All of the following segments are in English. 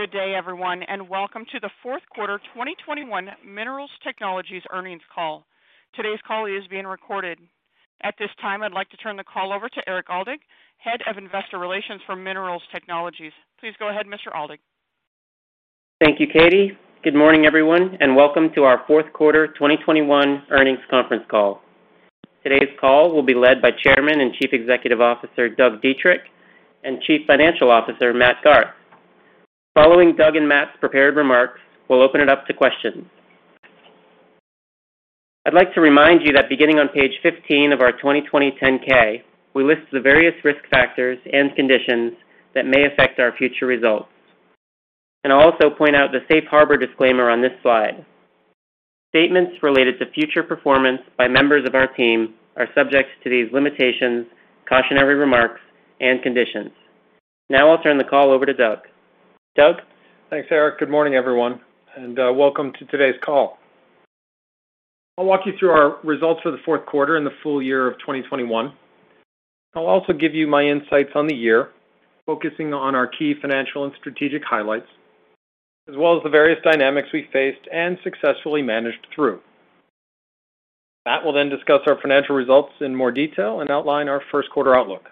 Good day, everyone, and welcome to the fourth quarter 2021 Minerals Technologies earnings call. Today's call is being recorded. At this time, I'd like to turn the call over to Erik Aldag, Head of Investor Relations for Minerals Technologies. Please go ahead, Mr. Aldag. Thank you, Katie. Good morning, everyone, and welcome to our fourth quarter 2021 earnings conference call. Today's call will be led by Chairman and Chief Executive Officer, Doug Dietrich, and Chief Financial Officer, Matt Garth. Following Doug and Matt's prepared remarks, we'll open it up to questions. I'd like to remind you that beginning on page 15 of our 2020 10-K, we list the various risk factors and conditions that may affect our future results. I'll also point out the safe harbor disclaimer on this slide. Statements related to future performance by members of our team are subject to these limitations, cautionary remarks, and conditions. Now I'll turn the call over to Doug. Doug? Thanks, Erik. Good morning, everyone, and welcome to today's call. I'll walk you through our results for the fourth quarter and the full year of 2021. I'll also give you my insights on the year, focusing on our key financial and strategic highlights, as well as the various dynamics we faced and successfully managed through. Matt will then discuss our financial results in more detail and outline our first quarter outlook.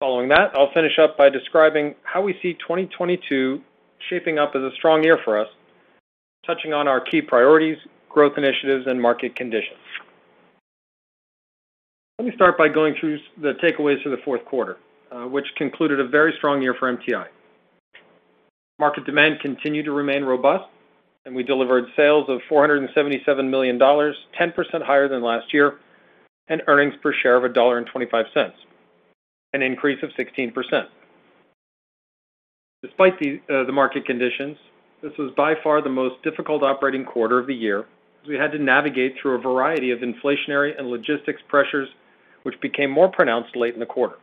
Following that, I'll finish up by describing how we see 2022 shaping up as a strong year for us, touching on our key priorities, growth initiatives, and market conditions. Let me start by going through the takeaways for the fourth quarter, which concluded a very strong year for MTI. Market demand continued to remain robust, and we delivered sales of $477 million, 10% higher than last year, and earnings per share of $1.25, an increase of 16%. Despite the market conditions, this was by far the most difficult operating quarter of the year, as we had to navigate through a variety of inflationary and logistics pressures, which became more pronounced late in the quarter.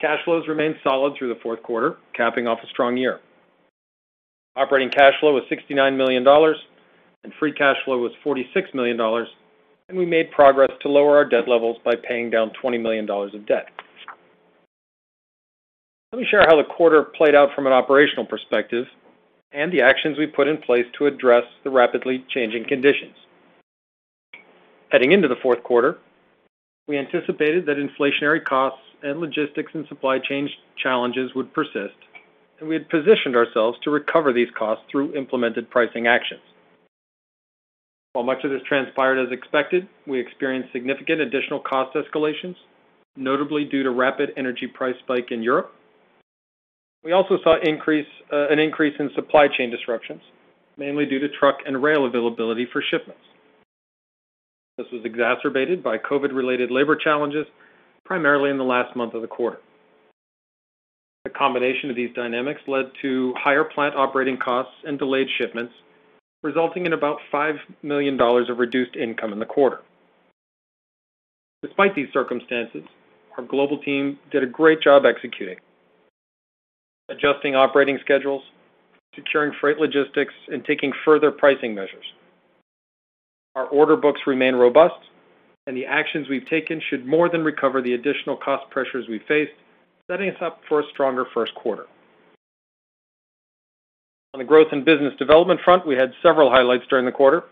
Cash flows remained solid through the fourth quarter, capping off a strong year. Operating cash flow was $69 million, and free cash flow was $46 million, and we made progress to lower our debt levels by paying down $20 million of debt. Let me share how the quarter played out from an operational perspective and the actions we put in place to address the rapidly changing conditions. Heading into the fourth quarter, we anticipated that inflationary costs and logistics and supply chains challenges would persist, and we had positioned ourselves to recover these costs through implemented pricing actions. While much of this transpired as expected, we experienced significant additional cost escalations, notably due to rapid energy price spike in Europe. We also saw an increase in supply chain disruptions, mainly due to truck and rail availability for shipments. This was exacerbated by COVID-related labor challenges, primarily in the last month of the quarter. The combination of these dynamics led to higher plant operating costs and delayed shipments, resulting in about $5 million of reduced income in the quarter. Despite these circumstances, our global team did a great job executing, adjusting operating schedules, securing freight logistics, and taking further pricing measures. Our order books remain robust and the actions we've taken should more than recover the additional cost pressures we faced, setting us up for a stronger first quarter. On the growth in business development front, we had several highlights during the quarter.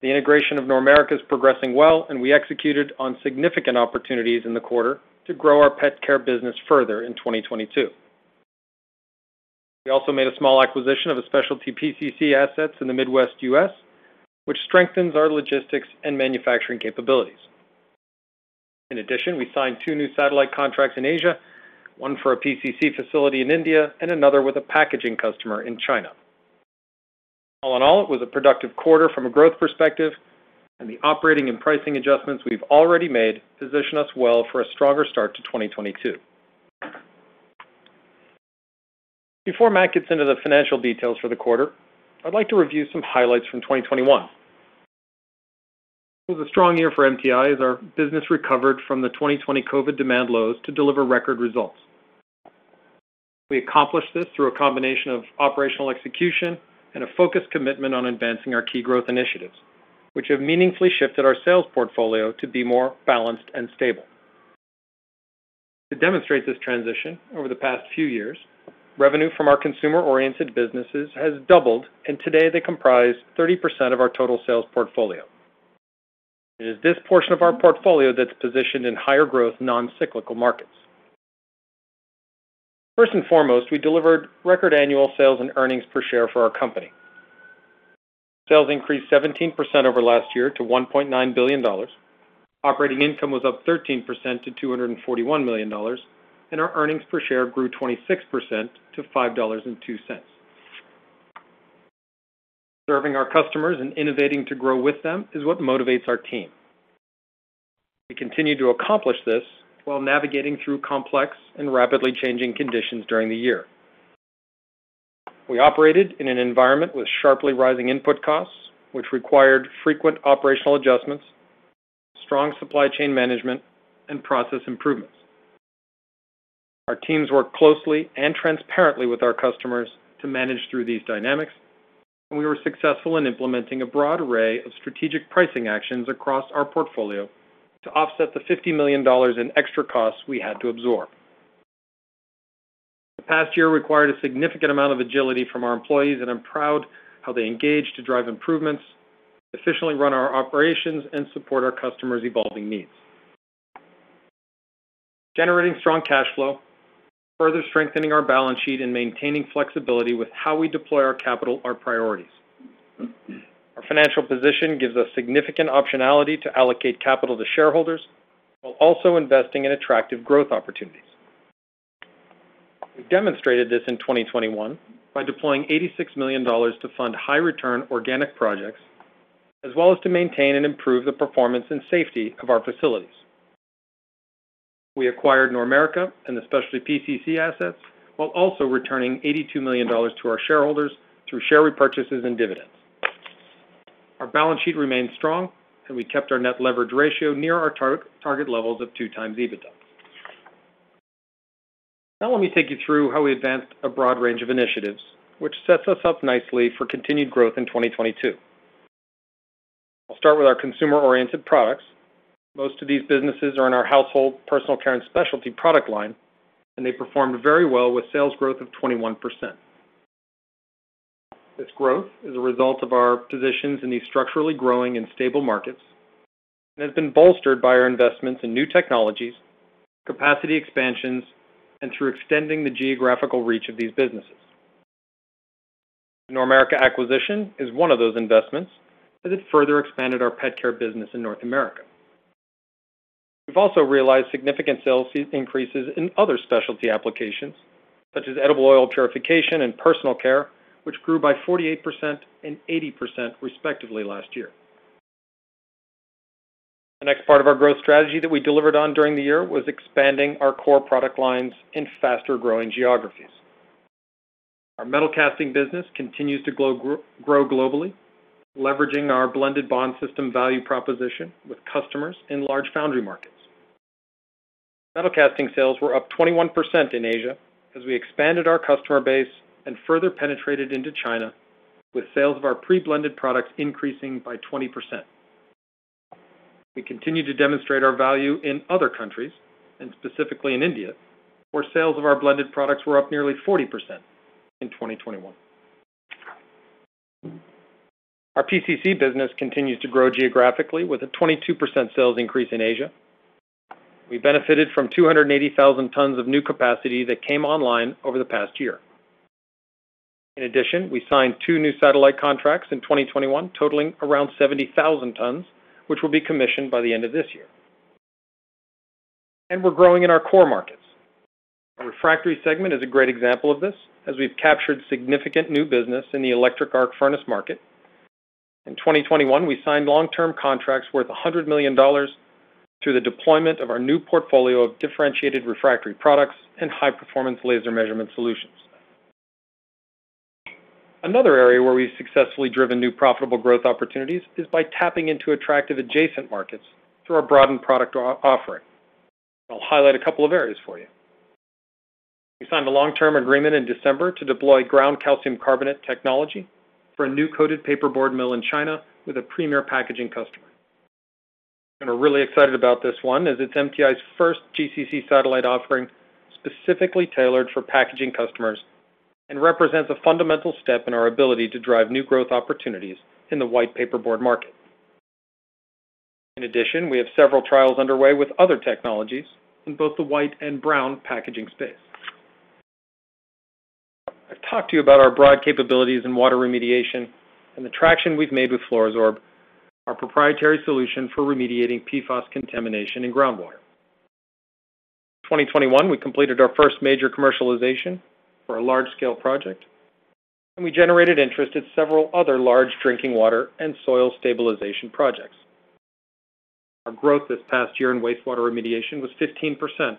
The integration of Normerica is progressing well, and we executed on significant opportunities in the quarter to grow our pet care business further in 2022. We also made a small acquisition of a Specialty PCC assets in the Midwest U.S., which strengthens our logistics and manufacturing capabilities. In addition, we signed two new satellite contracts in Asia, one for a PCC facility in India and another with a packaging customer in China. All in all, it was a productive quarter from a growth perspective, and the operating and pricing adjustments we've already made position us well for a stronger start to 2022. Before Matt gets into the financial details for the quarter, I'd like to review some highlights from 2021. It was a strong year for MTI as our business recovered from the 2020 COVID demand lows to deliver record results. We accomplished this through a combination of operational execution and a focused commitment on advancing our key growth initiatives, which have meaningfully shifted our sales portfolio to be more balanced and stable. To demonstrate this transition over the past few years, revenue from our consumer-oriented businesses has doubled, and today they comprise 30% of our total sales portfolio. It is this portion of our portfolio that's positioned in higher growth, non-cyclical markets. First and foremost, we delivered record annual sales and earnings per share for our company. Sales increased 17% over last year to $1.9 billion. Operating income was up 13% to $241 million, and our earnings per share grew 26% to $5.02. Serving our customers and innovating to grow with them is what motivates our team. We continue to accomplish this while navigating through complex and rapidly changing conditions during the year. We operated in an environment with sharply rising input costs, which required frequent operational adjustments, strong supply chain management, and process improvements. Our teams worked closely and transparently with our customers to manage through these dynamics. We were successful in implementing a broad array of strategic pricing actions across our portfolio to offset the $50 million in extra costs we had to absorb. The past year required a significant amount of agility from our employees, and I'm proud how they engaged to drive improvements, efficiently run our operations, and support our customers' evolving needs. Generating strong cash flow, further strengthening our balance sheet, and maintaining flexibility with how we deploy our capital are priorities. Our financial position gives us significant optionality to allocate capital to shareholders while also investing in attractive growth opportunities. We demonstrated this in 2021 by deploying $86 million to fund high return organic projects, as well as to maintain and improve the performance and safety of our facilities. We acquired Normerica and the Specialty PCC assets, while also returning $82 million to our shareholders through share repurchases and dividends. Our balance sheet remains strong, and we kept our net leverage ratio near our target levels of 2x EBITDA. Now let me take you through how we advanced a broad range of initiatives, which sets us up nicely for continued growth in 2022. I'll start with our consumer-oriented products. Most of these businesses are in our household personal care and specialty product line, and they performed very well with sales growth of 21%. This growth is a result of our positions in these structurally growing and stable markets and has been bolstered by our investments in new technologies, capacity expansions, and through extending the geographical reach of these businesses. The Normerica acquisition is one of those investments that has further expanded our pet care business in North America. We've also realized significant sales fee increases in other specialty applications, such as edible oil purification and personal care, which grew by 48% and 80% respectively last year. The next part of our growth strategy that we delivered on during the year was expanding our core product lines in faster-growing geographies. Our metal casting business continues to grow globally, leveraging our blended bond system value proposition with customers in large foundry markets. Metal casting sales were up 21% in Asia as we expanded our customer base and further penetrated into China, with sales of our pre-blended products increasing by 20%. We continue to demonstrate our value in other countries, and specifically in India, where sales of our blended products were up nearly 40% in 2021. Our PCC business continues to grow geographically with a 22% sales increase in Asia. We benefited from 280,000 tons of new capacity that came online over the past year. In addition, we signed two new satellite contracts in 2021 totaling around 70,000 tons, which will be commissioned by the end of this year. We're growing in our core markets. Our refractory segment is a great example of this, as we've captured significant new business in the electric arc furnace market. In 2021, we signed long-term contracts worth $100 million through the deployment of our new portfolio of differentiated refractory products and high-performance laser measurement solutions. Another area where we've successfully driven new profitable growth opportunities is by tapping into attractive adjacent markets through our broadened product offering. I'll highlight a couple of areas for you. We signed a long-term agreement in December to deploy ground calcium carbonate technology for a new coated paperboard mill in China with a premier packaging customer. We're really excited about this one as it's MTI's first GCC satellite offering specifically tailored for packaging customers and represents a fundamental step in our ability to drive new growth opportunities in the white paperboard market. In addition, we have several trials underway with other technologies in both the white and brown packaging space. I've talked to you about our broad capabilities in water remediation and the traction we've made with Fluoro-Sorb, our proprietary solution for remediating PFAS contamination in groundwater. In 2021, we completed our first major commercialization for a large-scale project, and we generated interest at several other large drinking water and soil stabilization projects. Our growth this past year in wastewater remediation was 15%,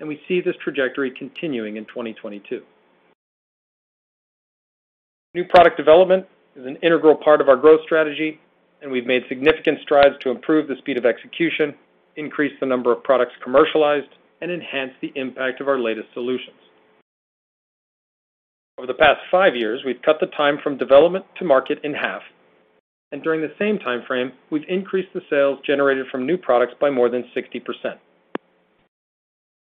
and we see this trajectory continuing in 2022. New product development is an integral part of our growth strategy, and we've made significant strides to improve the speed of execution, increase the number of products commercialized, and enhance the impact of our latest solutions. Over the past 5 years, we've cut the time from development to market in half. During the same timeframe, we've increased the sales generated from new products by more than 60%.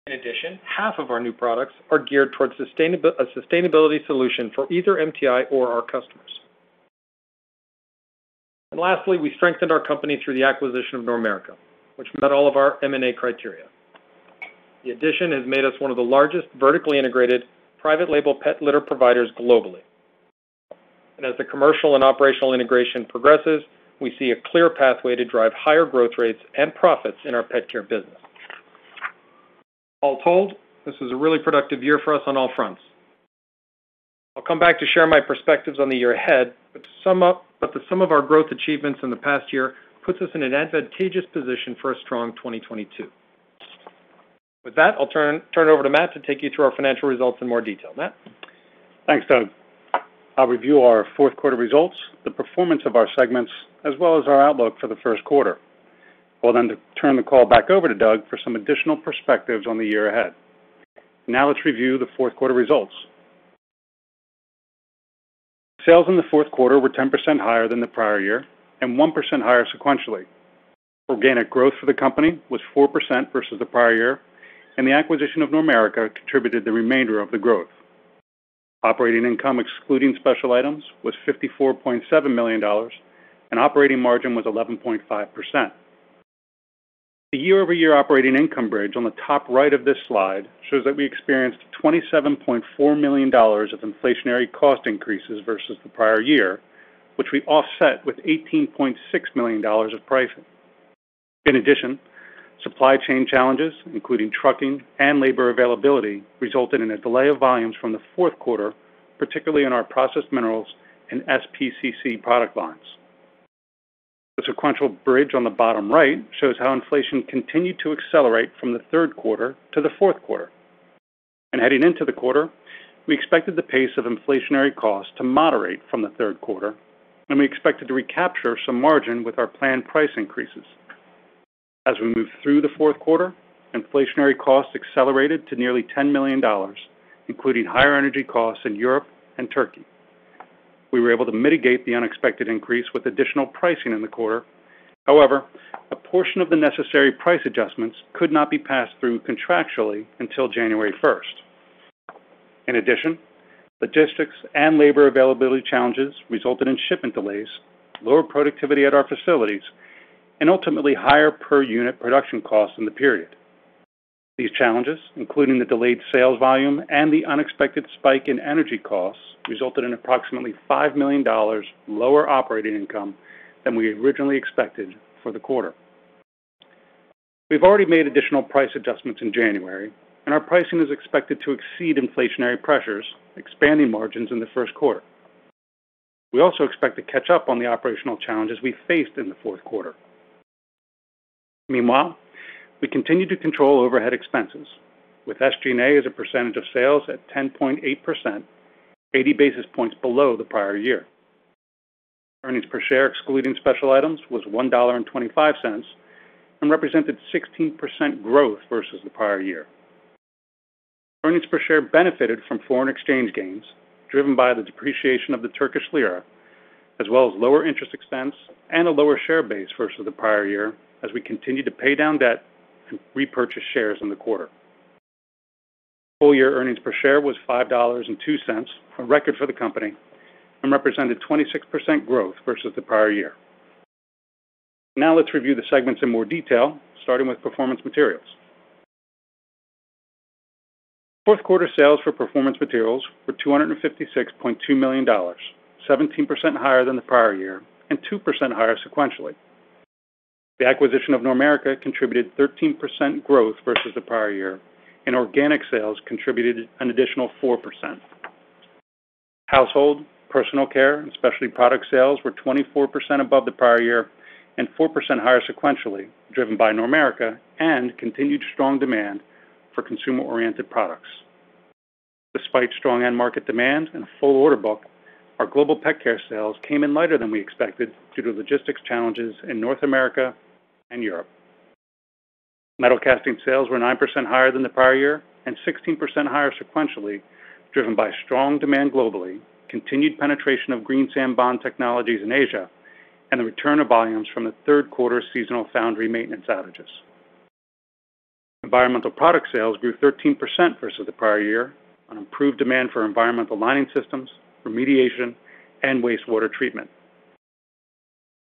In addition, half of our new products are geared towards sustainability solution for either MTI or our customers. Lastly, we strengthened our company through the acquisition of Normerica, which met all of our M&A criteria. The addition has made us one of the largest vertically integrated private label pet litter providers globally. As the commercial and operational integration progresses, we see a clear pathway to drive higher growth rates and profits in our pet care business. All told, this was a really productive year for us on all fronts. I'll come back to share my perspectives on the year ahead, but the sum of our growth achievements in the past year puts us in an advantageous position for a strong 2022. With that, I'll turn it over to Matt to take you through our financial results in more detail. Matt? Thanks, Doug. I'll review our fourth quarter results, the performance of our segments, as well as our outlook for the first quarter. I'll then turn the call back over to Doug for some additional perspectives on the year ahead. Now let's review the fourth quarter results. Sales in the fourth quarter were 10% higher than the prior year and 1% higher sequentially. Organic growth for the company was 4% versus the prior year, and the acquisition of Normerica contributed the remainder of the growth. Operating income, excluding special items, was $54.7 million, and operating margin was 11.5%. The year-over-year operating income bridge on the top right of this slide shows that we experienced $27.4 million of inflationary cost increases versus the prior year, which we offset with $18.6 million of pricing. In addition, supply chain challenges, including trucking and labor availability, resulted in a delay of volumes from the fourth quarter, particularly in our processed minerals and SPCC product lines. The sequential bridge on the bottom right shows how inflation continued to accelerate from the third quarter to the fourth quarter. Heading into the quarter, we expected the pace of inflationary costs to moderate from the third quarter, and we expected to recapture some margin with our planned price increases. As we moved through the fourth quarter, inflationary costs accelerated to nearly $10 million, including higher energy costs in Europe and Turkey. We were able to mitigate the unexpected increase with additional pricing in the quarter. However, a portion of the necessary price adjustments could not be passed through contractually until January first. In addition, logistics and labor availability challenges resulted in shipment delays, lower productivity at our facilities, and ultimately higher per unit production costs in the period. These challenges, including the delayed sales volume and the unexpected spike in energy costs, resulted in approximately $5 million lower operating income than we originally expected for the quarter. We've already made additional price adjustments in January, and our pricing is expected to exceed inflationary pressures, expanding margins in the first quarter. We also expect to catch up on the operational challenges we faced in the fourth quarter. Meanwhile, we continue to control overhead expenses, with SG&A as a percentage of sales at 10.8%, 80 basis points below the prior year. Earnings per share, excluding special items, was $1.25 and represented 16% growth versus the prior year. Earnings per share benefited from foreign exchange gains driven by the depreciation of the Turkish Lira, as well as lower interest expense and a lower share base versus the prior year, as we continued to pay down debt and repurchase shares in the quarter. Full-year earnings per share was $5.02, a record for the company, and represented 26% growth versus the prior year. Now let's review the segments in more detail, starting with Performance Materials. Fourth quarter sales for Performance Materials were $256.2 million, 17% higher than the prior year and 2% higher sequentially. The acquisition of Normerica contributed 13% growth versus the prior year, and organic sales contributed an additional 4%. Household, personal care, and specialty product sales were 24% above the prior year and 4% higher sequentially, driven by Normerica and continued strong demand for consumer-oriented products. Despite strong end market demand and a full order book, our global pet care sales came in lighter than we expected due to logistics challenges in North America and Europe. Metal casting sales were 9% higher than the prior year and 16% higher sequentially, driven by strong demand globally, continued penetration of green sand bond technologies in Asia, and the return of volumes from the third quarter seasonal foundry maintenance outages. Environmental product sales grew 13% versus the prior year on improved demand for environmental mining systems, remediation, and wastewater treatment.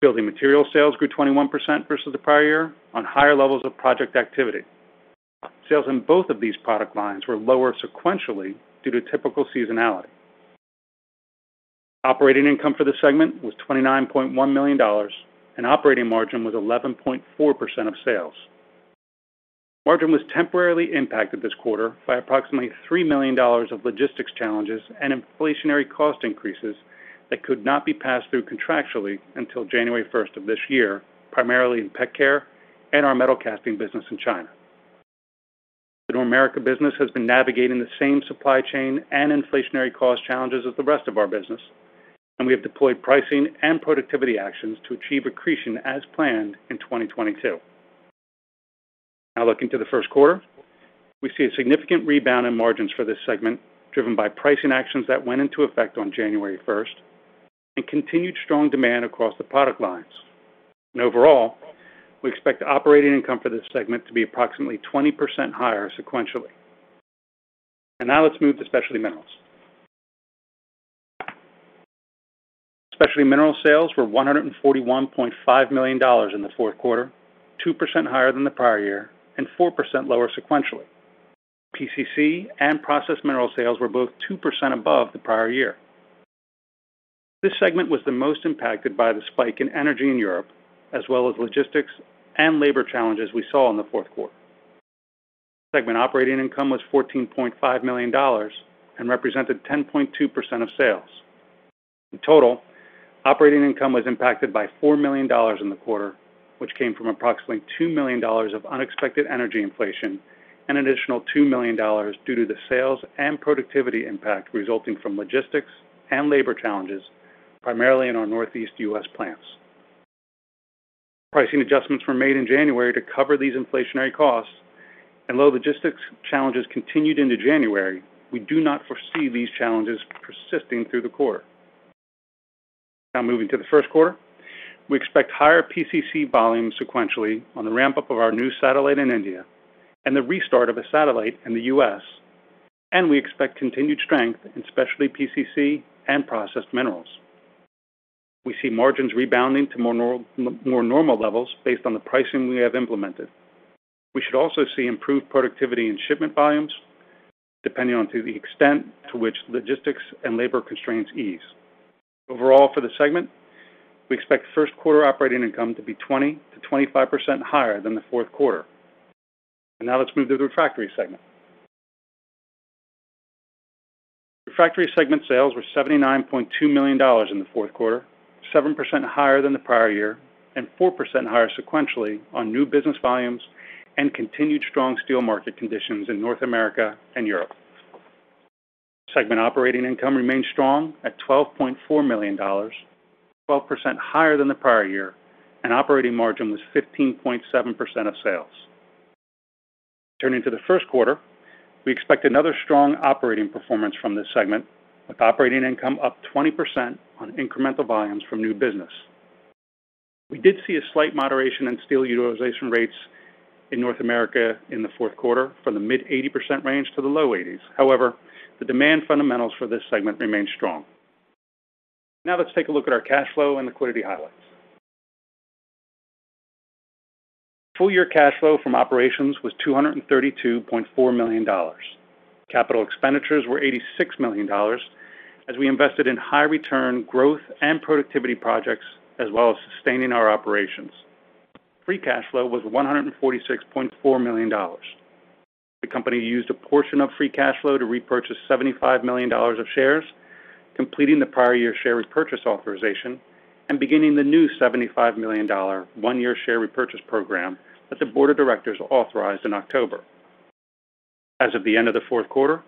Building material sales grew 21% versus the prior year on higher levels of project activity. Sales in both of these product lines were lower sequentially due to typical seasonality. Operating income for the segment was $29.1 million, and operating margin was 11.4% of sales. Margin was temporarily impacted this quarter by approximately $3 million of logistics challenges and inflationary cost increases that could not be passed through contractually until January 1 of this year, primarily in pet care and our metal casting business in China. The Normerica business has been navigating the same supply chain and inflationary cost challenges as the rest of our business, and we have deployed pricing and productivity actions to achieve accretion as planned in 2022. Now looking to the first quarter, we see a significant rebound in margins for this segment, driven by pricing actions that went into effect on January 1 and continued strong demand across the product lines. Overall, we expect operating income for this segment to be approximately 20% higher sequentially. Now let's move to Specialty Minerals. Specialty Minerals sales were $141.5 million in the fourth quarter, 2% higher than the prior year and 4% lower sequentially. PCC and processed mineral sales were both 2% above the prior year. This segment was the most impacted by the spike in energy in Europe, as well as logistics and labor challenges we saw in the fourth quarter. Segment operating income was $14.5 million and represented 10.2% of sales. In total, operating income was impacted by $4 million in the quarter, which came from approximately $2 million of unexpected energy inflation and additional $2 million due to the sales and productivity impact resulting from logistics and labor challenges, primarily in our Northeast U.S. plants. Pricing adjustments were made in January to cover these inflationary costs, and logistics challenges continued into January. We do not foresee these challenges persisting through the quarter. Now moving to the first quarter. We expect higher PCC volume sequentially on the ramp-up of our new satellite in India and the restart of a satellite in the U.S., and we expect continued strength in Specialty PCC and processed minerals. We see margins rebounding to more normal levels based on the pricing we have implemented. We should also see improved productivity in shipment volumes, depending on the extent to which logistics and labor constraints ease. Overall, for the segment, we expect first quarter operating income to be 20%-25% higher than the fourth quarter. Now let's move to the Refractory segment. Refractory segment sales were $79.2 million in the fourth quarter, 7% higher than the prior year and 4% higher sequentially on new business volumes and continued strong steel market conditions in North America and Europe. Segment operating income remained strong at $12.4 million, 12% higher than the prior year, and operating margin was 15.7% of sales. Turning to the first quarter, we expect another strong operating performance from this segment, with operating income up 20% on incremental volumes from new business. We did see a slight moderation in steel utilization rates in North America in the fourth quarter from the mid-80% range to the low 80s. However, the demand fundamentals for this segment remain strong. Now let's take a look at our cash flow and liquidity highlights. Full-year cash flow from operations was $232.4 million. Capital expenditures were $86 million, as we invested in high-return growth and productivity projects, as well as sustaining our operations. Free cash flow was $146.4 million. The company used a portion of free cash flow to repurchase $75 million of shares, completing the prior-year share repurchase authorization and beginning the new $75 million one-year share repurchase program that the board of directors authorized in October. As of the end of the fourth quarter,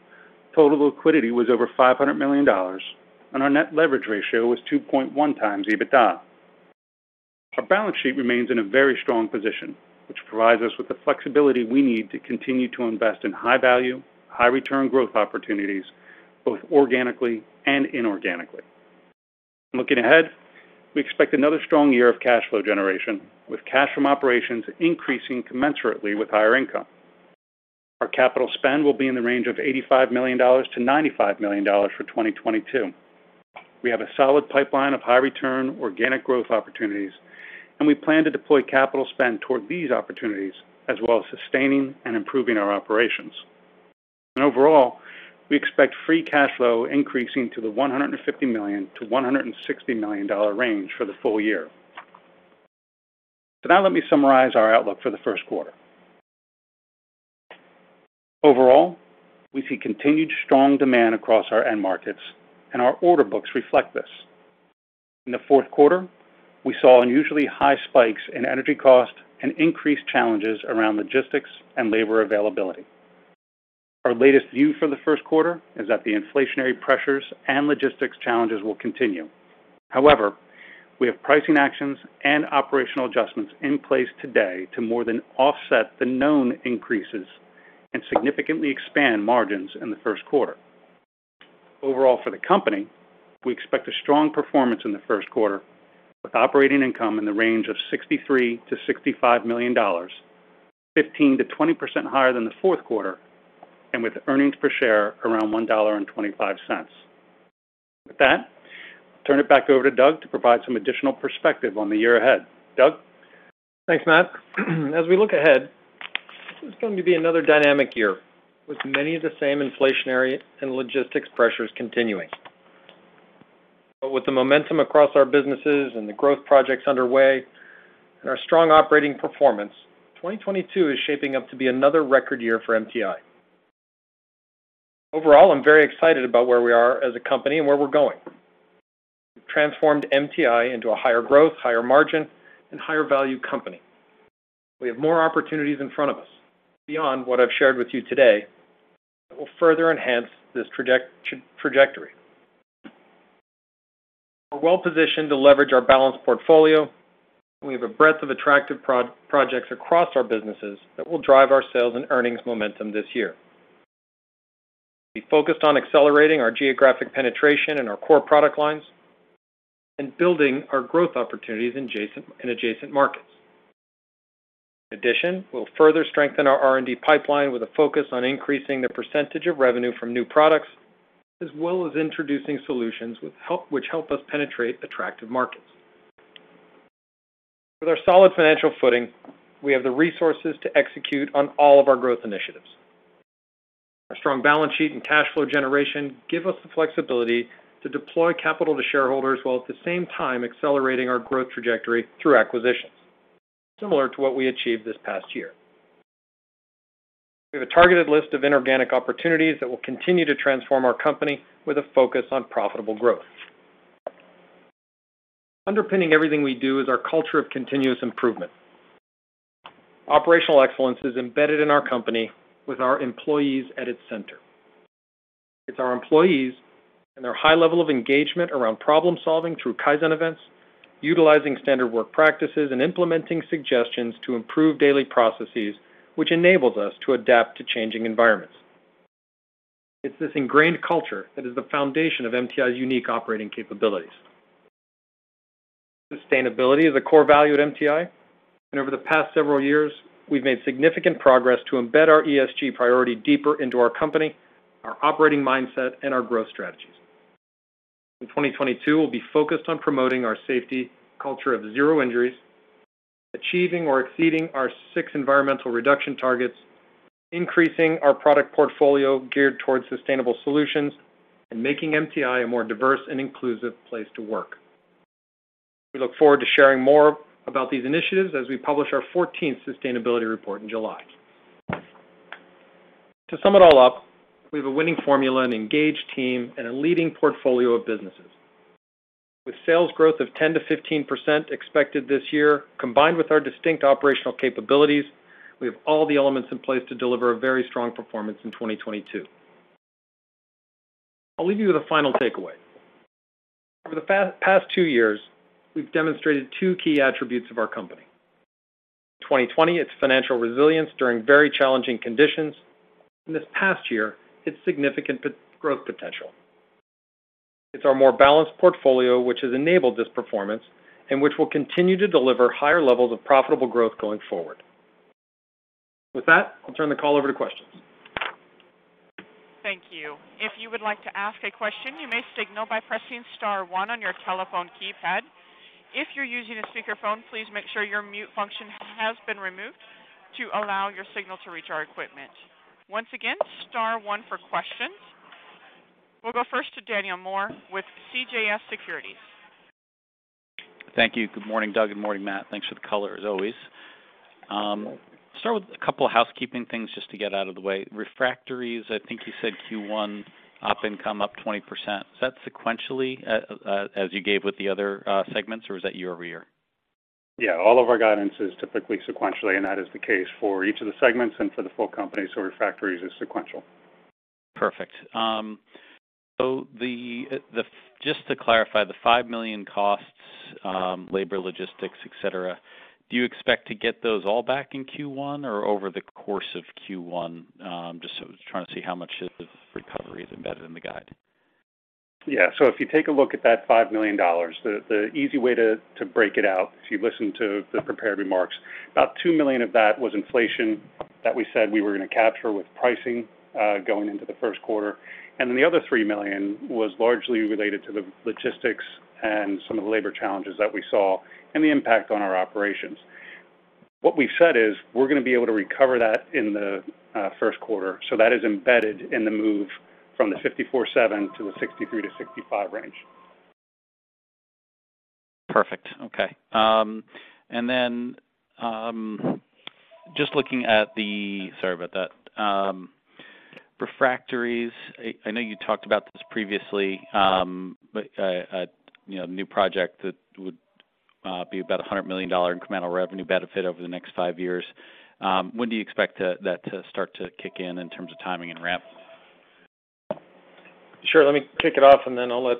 total liquidity was over $500 million, and our net leverage ratio was 2.1 times EBITDA. Our balance sheet remains in a very strong position, which provides us with the flexibility we need to continue to invest in high value, high return growth opportunities, both organically and inorganically. Looking ahead, we expect another strong year of cash flow generation, with cash from operations increasing commensurately with higher income. Our capital spend will be in the range of $85 million-$95 million for 2022. We have a solid pipeline of high return organic growth opportunities, and we plan to deploy capital spend toward these opportunities, as well as sustaining and improving our operations. Overall, we expect free cash flow increasing to the $150 million-$160 million range for the full year. Now let me summarize our outlook for the first quarter. Overall, we see continued strong demand across our end markets and our order books reflect this. In the fourth quarter, we saw unusually high spikes in energy cost and increased challenges around logistics and labor availability. Our latest view for the first quarter is that the inflationary pressures and logistics challenges will continue. However, we have pricing actions and operational adjustments in place today to more than offset the known increases and significantly expand margins in the first quarter. Overall, for the company, we expect a strong performance in the first quarter with operating income in the range of $63 million-$65 million, 15%-20% higher than the fourth quarter, and with earnings per share around $1.25. With that, I'll turn it back over to Doug to provide some additional perspective on the year ahead. Doug? Thanks, Matt. As we look ahead, this is going to be another dynamic year with many of the same inflationary and logistics pressures continuing. With the momentum across our businesses and the growth projects underway and our strong operating performance, 2022 is shaping up to be another record year for MTI. Overall, I'm very excited about where we are as a company and where we're going. We've transformed MTI into a higher growth, higher margin, and higher value company. We have more opportunities in front of us beyond what I've shared with you today that will further enhance this trajectory. We're well-positioned to leverage our balanced portfolio, and we have a breadth of attractive projects across our businesses that will drive our sales and earnings momentum this year. We focused on accelerating our geographic penetration in our core product lines and building our growth opportunities in adjacent markets. In addition, we'll further strengthen our R&D pipeline with a focus on increasing the percentage of revenue from new products, as well as introducing solutions which help us penetrate attractive markets. With our solid financial footing, we have the resources to execute on all of our growth initiatives. Our strong balance sheet and cash flow generation give us the flexibility to deploy capital to shareholders, while at the same time accelerating our growth trajectory through acquisitions, similar to what we achieved this past year. We have a targeted list of inorganic opportunities that will continue to transform our company with a focus on profitable growth. Underpinning everything we do is our culture of continuous improvement. Operational excellence is embedded in our company with our employees at its center. It's our employees and their high level of engagement around problem-solving through Kaizen events, utilizing standard work practices, and implementing suggestions to improve daily processes which enables us to adapt to changing environments. It's this ingrained culture that is the foundation of MTI's unique operating capabilities. Sustainability is a core value at MTI, and over the past several years we've made significant progress to embed our ESG priority deeper into our company, our operating mindset, and our growth strategies. In 2022, we'll be focused on promoting our safety culture of zero injuries, achieving or exceeding our six environmental reduction targets, increasing our product portfolio geared towards sustainable solutions, and making MTI a more diverse and inclusive place to work. We look forward to sharing more about these initiatives as we publish our 14th sustainability report in July. To sum it all up, we have a winning formula, an engaged team, and a leading portfolio of businesses. With sales growth of 10%-15% expected this year, combined with our distinct operational capabilities, we have all the elements in place to deliver a very strong performance in 2022. I'll leave you with a final takeaway. Over the past 2 years, we've demonstrated two key attributes of our company. In 2020, its financial resilience during very challenging conditions. This past year, its significant growth potential. It's our more balanced portfolio which has enabled this performance, and which will continue to deliver higher levels of profitable growth going forward. With that, I'll turn the call over to questions. Thank you. If you would like to ask a question, you may signal by pressing star one on your telephone keypad. If you're using a speakerphone, please make sure your mute function has been removed to allow your signal to reach our equipment. Once again, star one for questions. We'll go first to Daniel Moore with CJS Securities. Thank you. Good morning, Doug. Good morning, Matt. Thanks for the color, as always. Start with a couple of housekeeping things just to get out of the way. Refractories, I think you said Q1 op income up 20%. Is that sequentially, as you gave with the other segments, or was that year-over-year? Yeah. All of our guidance is typically sequentially, and that is the case for each of the segments and for the full company, so Refractories is sequential. Perfect. So just to clarify, the $5 million costs, labor, logistics, et cetera, do you expect to get those all back in Q1 or over the course of Q1? Trying to see how much of the recovery is embedded in the guide. Yeah. If you take a look at that $5 million, the easy way to break it out, if you listen to the prepared remarks, about $2 million of that was inflation that we said we were gonna capture with pricing going into the first quarter. The other $3 million was largely related to the logistics and some of the labor challenges that we saw and the impact on our operations. What we said is, we're gonna be able to recover that in the first quarter, so that is embedded in the move from the $54.7 million to the $63-$65 million range. Perfect. Okay. Just looking at the refractories. Sorry about that. I know you talked about this previously. You know, new project that would be about $100 million incremental revenue benefit over the next five years. When do you expect that to start to kick in terms of timing and ramp? Sure. Let me kick it off, and then I'll let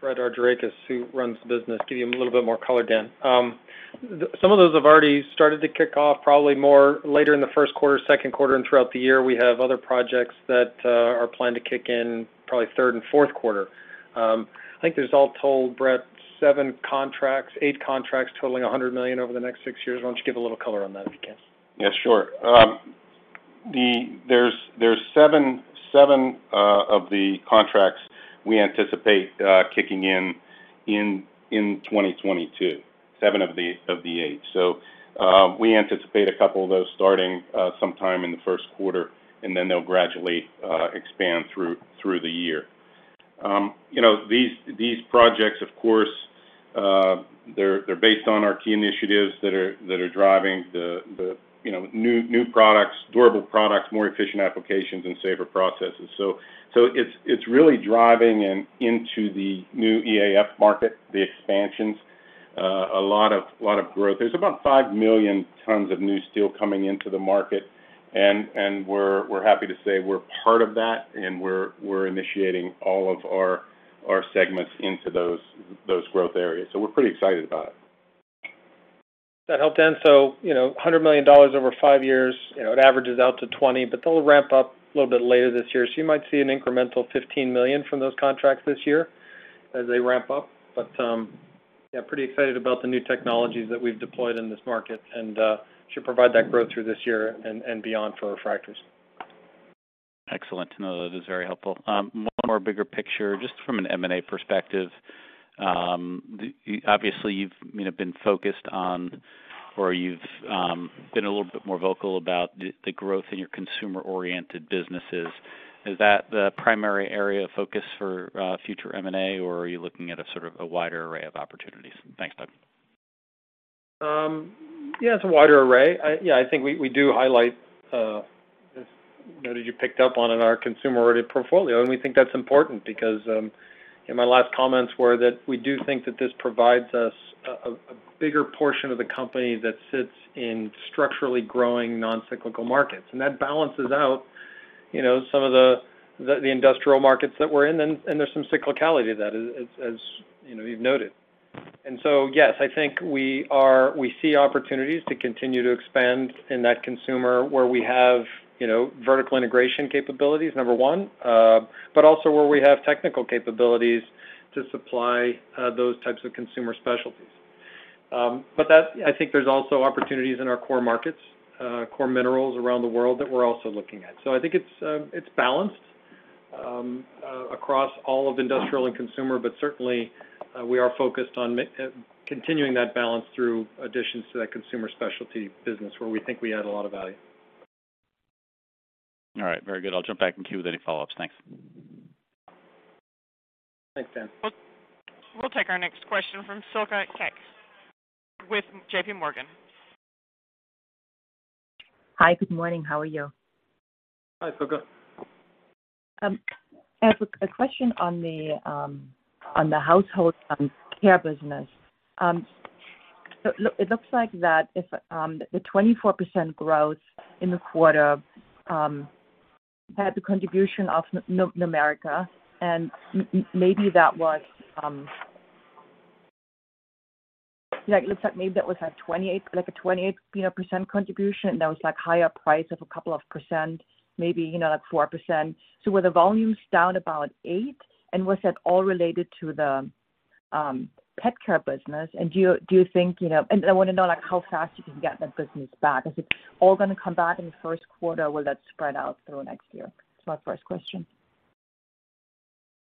Brett Argirakis, who runs the business, give you a little bit more color, Dan. Some of those have already started to kick off, probably more later in the first quarter, second quarter, and throughout the year. We have other projects that are planned to kick in probably third and fourth quarter. I think there's all told, Brett, seven contracts, eight contracts totaling $100 million over the next six years. Why don't you give a little color on that, if you can? Yeah, sure. There's seven of the contracts we anticipate kicking in in 2022. Seven of the eight. We anticipate a couple of those starting sometime in the first quarter, and then they'll gradually expand through the year. You know, these projects, of course, they're based on our key initiatives that are driving the new products, durable products, more efficient applications, and safer processes. It's really driving into the new EAF market, the expansions. A lot of growth. There's about 5 million tons of new steel coming into the market, and we're happy to say we're part of that and we're initiating all of our segments into those growth areas. We're pretty excited about it. that help, Dan? You know, $100 million over 5 years, you know, it averages out to 20, but they'll ramp up a little bit later this year. You might see an incremental $15 million from those contracts this year as they ramp up. Yeah, pretty excited about the new technologies that we've deployed in this market and should provide that growth through this year and beyond for refractories. Excellent to know. That is very helpful. One more bigger picture, just from an M&A perspective. Obviously, you've been focused on or been a little bit more vocal about the growth in your consumer-oriented businesses. Is that the primary area of focus for future M&A, or are you looking at a sort of a wider array of opportunities? Thanks, Doug. Yeah, it's a wider array. Yeah, I think we do highlight, noted you picked up on in our consumer-ready portfolio, and we think that's important because, you know, my last comments were that we do think that this provides us a bigger portion of the company that sits in structurally growing non-cyclical markets. That balances out, you know, some of the industrial markets that we're in and there's some cyclicality to that as, you know, you've noted. Yes, I think we see opportunities to continue to expand in that consumer where we have, you know, vertical integration capabilities, number one, but also where we have technical capabilities to supply those types of consumer specialties. I think there's also opportunities in our core markets, core minerals around the world that we're also looking at. I think it's balanced across all of industrial and consumer, but certainly we are focused on continuing that balance through additions to that consumer specialty business where we think we add a lot of value. All right. Very good. I'll jump back in queue with any follow-ups. Thanks. Thanks, Dan. We'll take our next question from Silke Kueck with JPMorgan. Hi. Good morning. How are you? Hi, Silke. I have a question on the household care business. It looks like the 24% growth in the quarter had the contribution of Normerica, and maybe that was, yeah, it looks like maybe that was like a 28% contribution. That was like higher price of a couple of percent, maybe, you know, like 4%. Were the volumes down about 8%? And was that all related to the pet care business? Do you think, you know, I wanna know, like, how fast you can get that business back. Is it all gonna come back in the first quarter? Will that spread out through next year? That's my first question.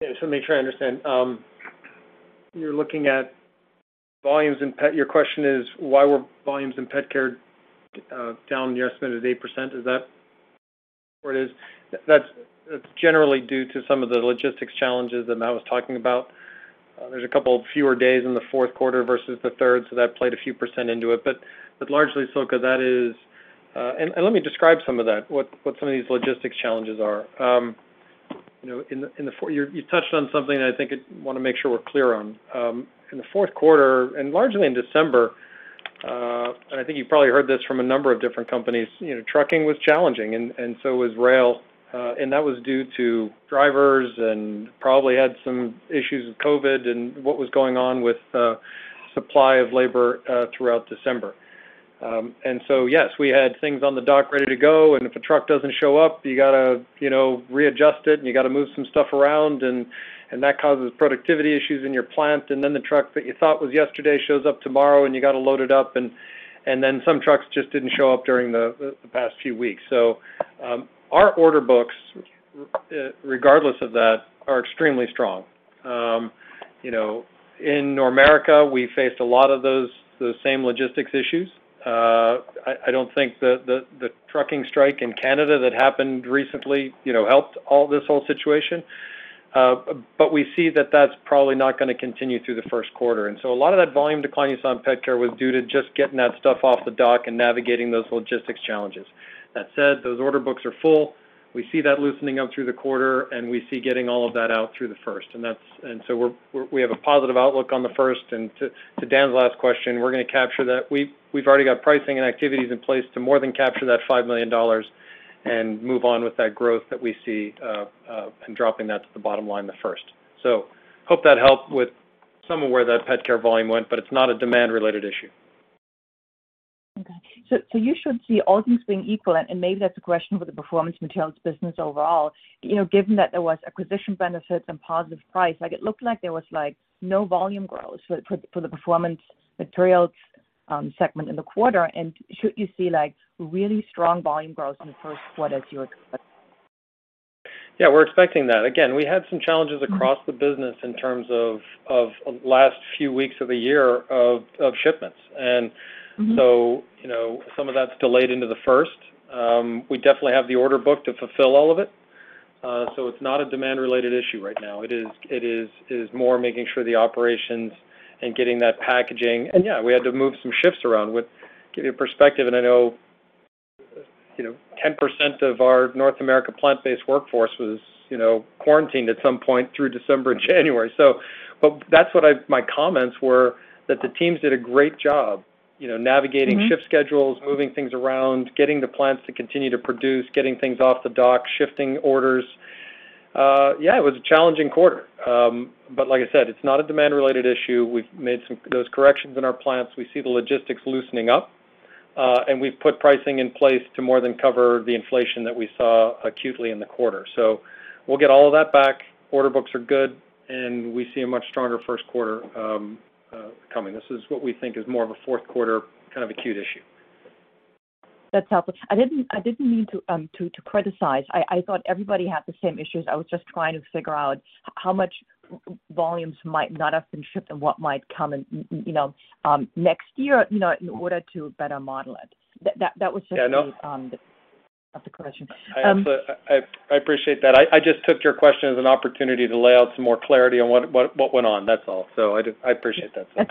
Yeah. Let me try to understand. You're looking at volumes in pet care. Your question is why were volumes in pet care down? You estimated 8%. Is that what it is? That's generally due to some of the logistics challenges that Matt was talking about. There's a couple fewer days in the fourth quarter versus the third, so that played a few percent into it. But largely, Silke, that is. Let me describe some of that, what some of these logistics challenges are. You know, you touched on something that I think I'd wanna make sure we're clear on. In the fourth quarter and largely in December, I think you've probably heard this from a number of different companies, you know, trucking was challenging and so was rail, and that was due to drivers and probably had some issues with COVID and what was going on with supply of labor throughout December. Yes, we had things on the dock ready to go, and if a truck doesn't show up, you gotta, you know, readjust it and you gotta move some stuff around, and that causes productivity issues in your plant. Then the truck that you thought was yesterday shows up tomorrow, and you gotta load it up, and then some trucks just didn't show up during the past few weeks. Our order books, regardless of that, are extremely strong. You know, in Normerica, we faced a lot of those same logistics issues. I don't think the trucking strike in Canada that happened recently, you know, helped this whole situation. We see that that's probably not gonna continue through the first quarter. A lot of that volume decline you saw in pet care was due to just getting that stuff off the dock and navigating those logistics challenges. That said, those order books are full. We see that loosening up through the quarter, and we see getting all of that out through the first. We have a positive outlook on the first. To Dan's last question, we're gonna capture that. We've already got pricing and activities in place to more than capture that $5 million and move on with that growth that we see, and dropping that to the bottom line in the first. Hope that helped with some of where that pet care volume went, but it's not a demand-related issue. Okay. So you should see all things being equal, and maybe that's a question for the Performance Materials business overall. You know, given that there was acquisition benefits and positive price, like it looked like there was like no volume growth for the Performance Materials segment in the quarter. Should you see like really strong volume growth in the first quarter to expect? Yeah, we're expecting that. Again, we had some challenges across the business in terms of the last few weeks of the year of shipments. Mm-hmm. You know, some of that's delayed into the first. We definitely have the order book to fulfill all of it. It's not a demand-related issue right now. It is more making sure the operations and getting that packaging. Yeah, we had to move some shifts around. Give you perspective, and I know, you know, 10% of our North America plant-based workforce was, you know, quarantined at some point through December and January. That's what my comments were that the teams did a great job, you know, navigating. Mm-hmm. Shift schedules, moving things around, getting the plants to continue to produce, getting things off the dock, shifting orders. Yeah, it was a challenging quarter. Like I said, it's not a demand-related issue. We've made those corrections in our plants. We see the logistics loosening up, and we've put pricing in place to more than cover the inflation that we saw acutely in the quarter. We'll get all of that back. Order books are good, and we see a much stronger first quarter coming. This is what we think is more of a fourth quarter kind of acute issue. That's helpful. I didn't mean to criticize. I thought everybody had the same issues. I was just trying to figure out how much volumes might not have been shipped and what might come in, you know, next year, you know, in order to better model it. That was just the- Yeah, no- The question. I appreciate that. I just took your question as an opportunity to lay out some more clarity on what went on. That's all. I appreciate that, Silke.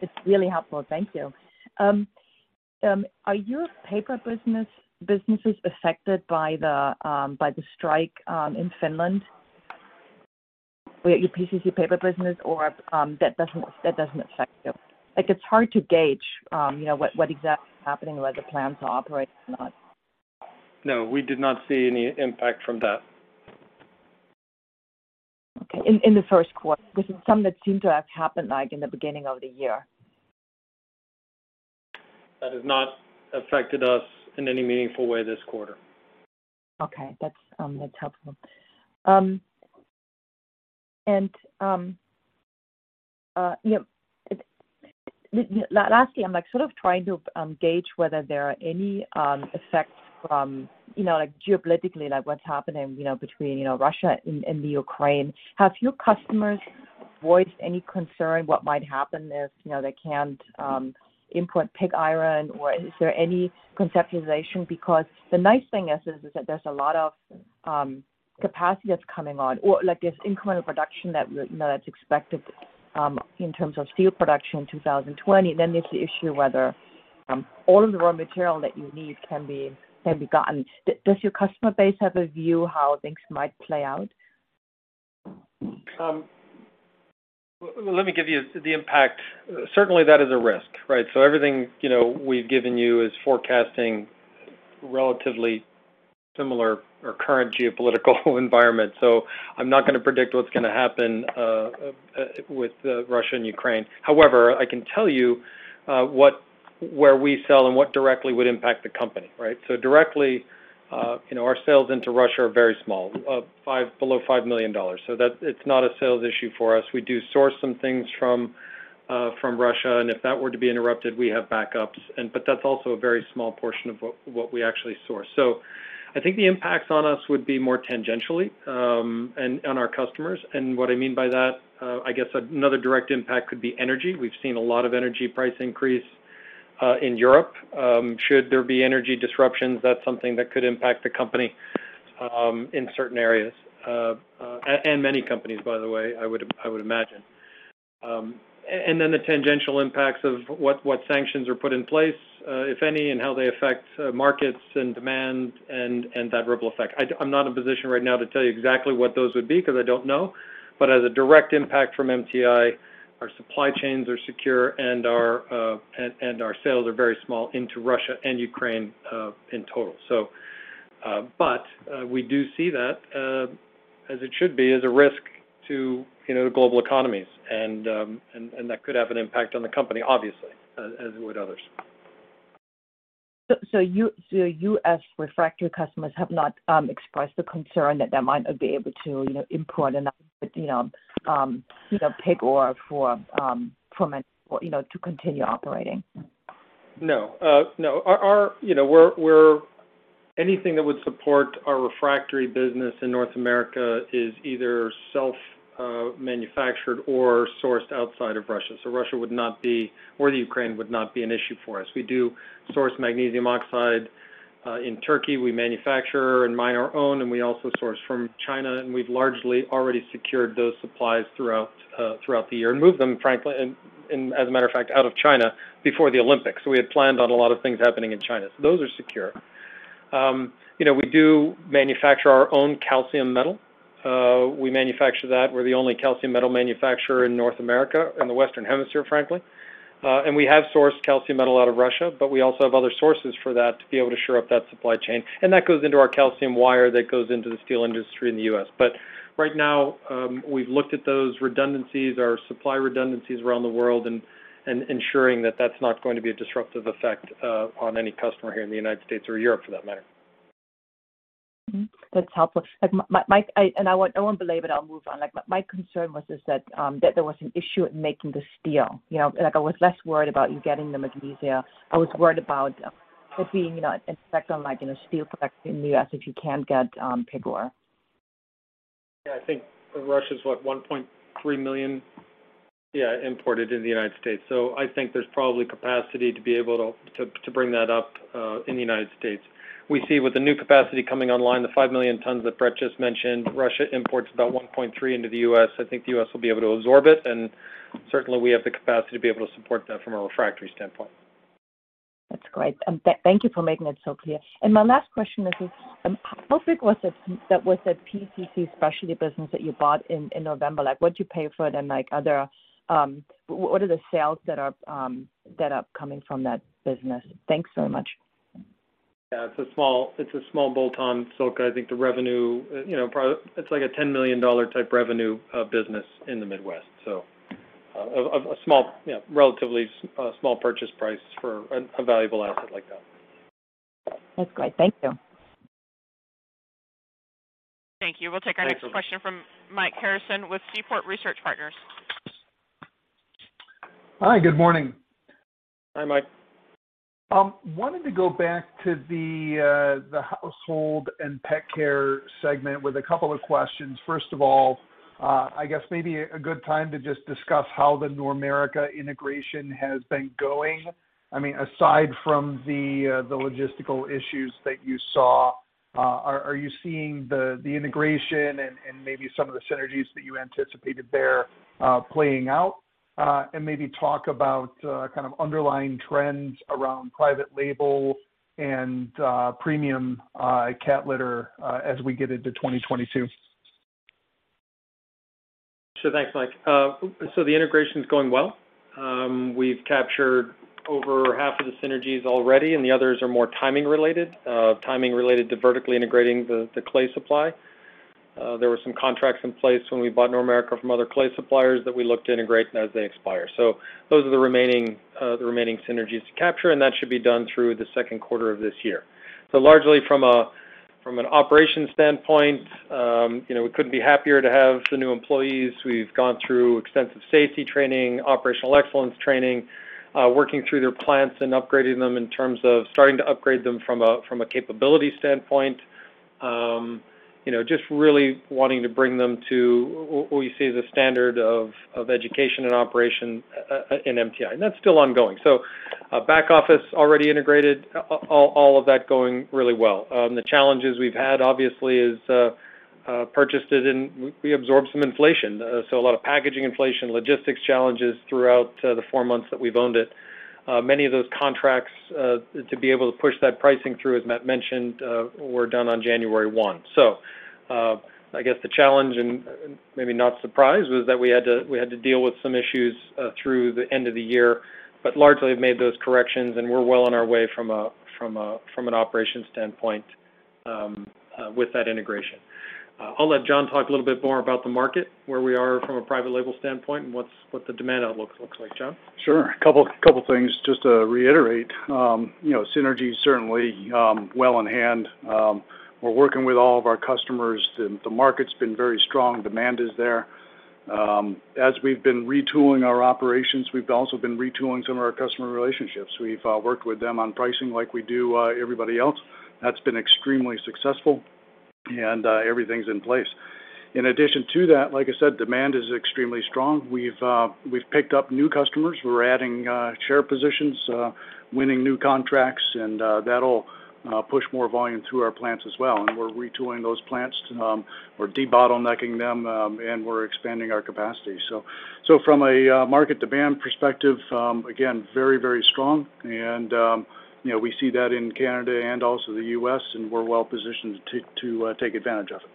It's really helpful. Thank you. Are your paper businesses affected by the strike in Finland? Your PCC paper business or that doesn't affect you? Like, it's hard to gauge, you know, what exactly is happening or the plan to operate or not. No, we did not see any impact from that. Okay. In the first quarter, this is something that seemed to have happened, like, in the beginning of the year. That has not affected us in any meaningful way this quarter. Okay. That's helpful. Lastly, I'm like sort of trying to gauge whether there are any effects from, you know, geopolitically, like, what's happening, you know, between Russia and the Ukraine. Have your customers voiced any concern what might happen if, you know, they can't import pig iron, or is there any conceptualization? Because the nice thing is that there's a lot of capacity that's coming on or, like, there's incremental production that, you know, that's expected in terms of steel production in 2020. Then there's the issue whether all of the raw material that you need can be gotten. Does your customer base have a view how things might play out? Let me give you the impact. Certainly, that is a risk, right? Everything, you know, we've given you is forecasting relatively similar or current geopolitical environment. I'm not gonna predict what's gonna happen with Russia and Ukraine. However, I can tell you where we sell and what directly would impact the company, right? Directly, you know, our sales into Russia are very small, below $5 million. It's not a sales issue for us. We do source some things from Russia, and if that were to be interrupted, we have backups. But that's also a very small portion of what we actually source. I think the impacts on us would be more tangentially and on our customers. What I mean by that, I guess another direct impact could be energy. We've seen a lot of energy price increase in Europe. Should there be energy disruptions, that's something that could impact the company in certain areas. Many companies, by the way, I would imagine. The tangential impacts of what sanctions are put in place, if any, and how they affect markets and demand and that ripple effect. I'm not in a position right now to tell you exactly what those would be because I don't know. As a direct impact from MTI, our supply chains are secure and our sales are very small into Russia and Ukraine in total, so. We do see that, as it should be, as a risk to, you know, global economies and that could have an impact on the company, obviously, as it would others. Your U.S. refractory customers have not expressed the concern that they might not be able to, you know, import enough, you know, pig iron for, from it or, you know, to continue operating? No. You know, anything that would support our refractory business in North America is either self-manufactured or sourced outside of Russia. Russia would not be, or the Ukraine would not be an issue for us. We do source magnesium oxide in Turkey. We manufacture and mine our own, and we also source from China, and we've largely already secured those supplies throughout the year and moved them, frankly, and as a matter of fact, out of China before the Olympics. We had planned on a lot of things happening in China. Those are secure. You know, we do manufacture our own calcium metal. We manufacture that. We're the only calcium metal manufacturer in North America, in the Western Hemisphere, frankly. We have sourced calcium metal out of Russia, but we also have other sources for that to be able to shore up that supply chain. That goes into our calcium wire that goes into the steel industry in the U.S. Right now, we've looked at those redundancies, our supply redundancies around the world and ensuring that that's not going to be a disruptive effect on any customer here in the United States or Europe for that matter. That's helpful. I won't belabor it. I'll move on. Like, my concern was, is that there was an issue in making the steel. You know, like, I was less worried about you getting the magnesium. I was worried about there being, you know, an effect on, like, you know, steel production in the U.S. if you can't get pig iron. I think Russia's 1.3 million imported in the United States. I think there's probably capacity to be able to bring that up in the United States. We see with the new capacity coming online, the 5 million tons that Brett just mentioned. Russian imports about 1.3 into the U.S. I think the U.S. will be able to absorb it, and certainly, we have the capacity to be able to support that from a refractory standpoint. That's great. Thank you for making that so clear. My last question is how big was that PCC specialty business that you bought in November? Like, what'd you pay for it, and what are the sales that are coming from that business? Thanks so much. Yeah. It's a small bolt on Silke. I think the revenue, you know, it's like a $10 million type revenue business in the Midwest. A small, yeah, relatively small purchase price for a valuable asset like that. That's great. Thank you. Thank you. We'll take our next question from Mike Harrison with Seaport Research Partners. Hi. Good morning. Hi, Mike. I wanted to go back to the household and pet care segment with a couple of questions. First of all, I guess maybe a good time to just discuss how the Normerica integration has been going. I mean, aside from the logistical issues that you saw, are you seeing the integration and maybe some of the synergies that you anticipated there playing out? And maybe talk about kind of underlying trends around private label and premium cat litter as we get into 2022. Sure. Thanks, Mike. The integration's going well. We've captured over half of the synergies already, and the others are more timing related to vertically integrating the clay supply. There were some contracts in place when we bought Normerica from other clay suppliers that we look to integrate as they expire. Those are the remaining synergies to capture, and that should be done through the second quarter of this year. Largely from an operations standpoint, you know, we couldn't be happier to have the new employees. We've gone through extensive safety training, operational excellence training, working through their plants and upgrading them in terms of starting to upgrade them from a capability standpoint. You know, just really wanting to bring them to what we see as a standard of education and operation in MTI, and that's still ongoing. Back office already integrated, all of that going really well. The challenges we've had obviously with the purchase of it and we absorbed some inflation. A lot of packaging inflation, logistics challenges throughout the four months that we've owned it. Many of those contracts to be able to push that pricing through, as Matt mentioned, were done on January 1. I guess the challenge and maybe not surprise was that we had to deal with some issues through the end of the year, but largely have made those corrections, and we're well on our way from an operations standpoint with that integration. I'll let John talk a little bit more about the market, where we are from a private label standpoint, and what the demand outlook looks like. John? Sure. A couple things just to reiterate. You know, synergy certainly well in hand. We're working with all of our customers. The market's been very strong. Demand is there. As we've been retooling our operations, we've also been retooling some of our customer relationships. We've worked with them on pricing like we do everybody else. That's been extremely successful, and everything's in place. In addition to that, like I said, demand is extremely strong. We've picked up new customers. We're adding share positions, winning new contracts, and that'll push more volume through our plants as well. We're retooling those plants. We're de-bottlenecking them, and we're expanding our capacity. From a market demand perspective, again, very strong and, you know, we see that in Canada and also the US, and we're well positioned to take advantage of it.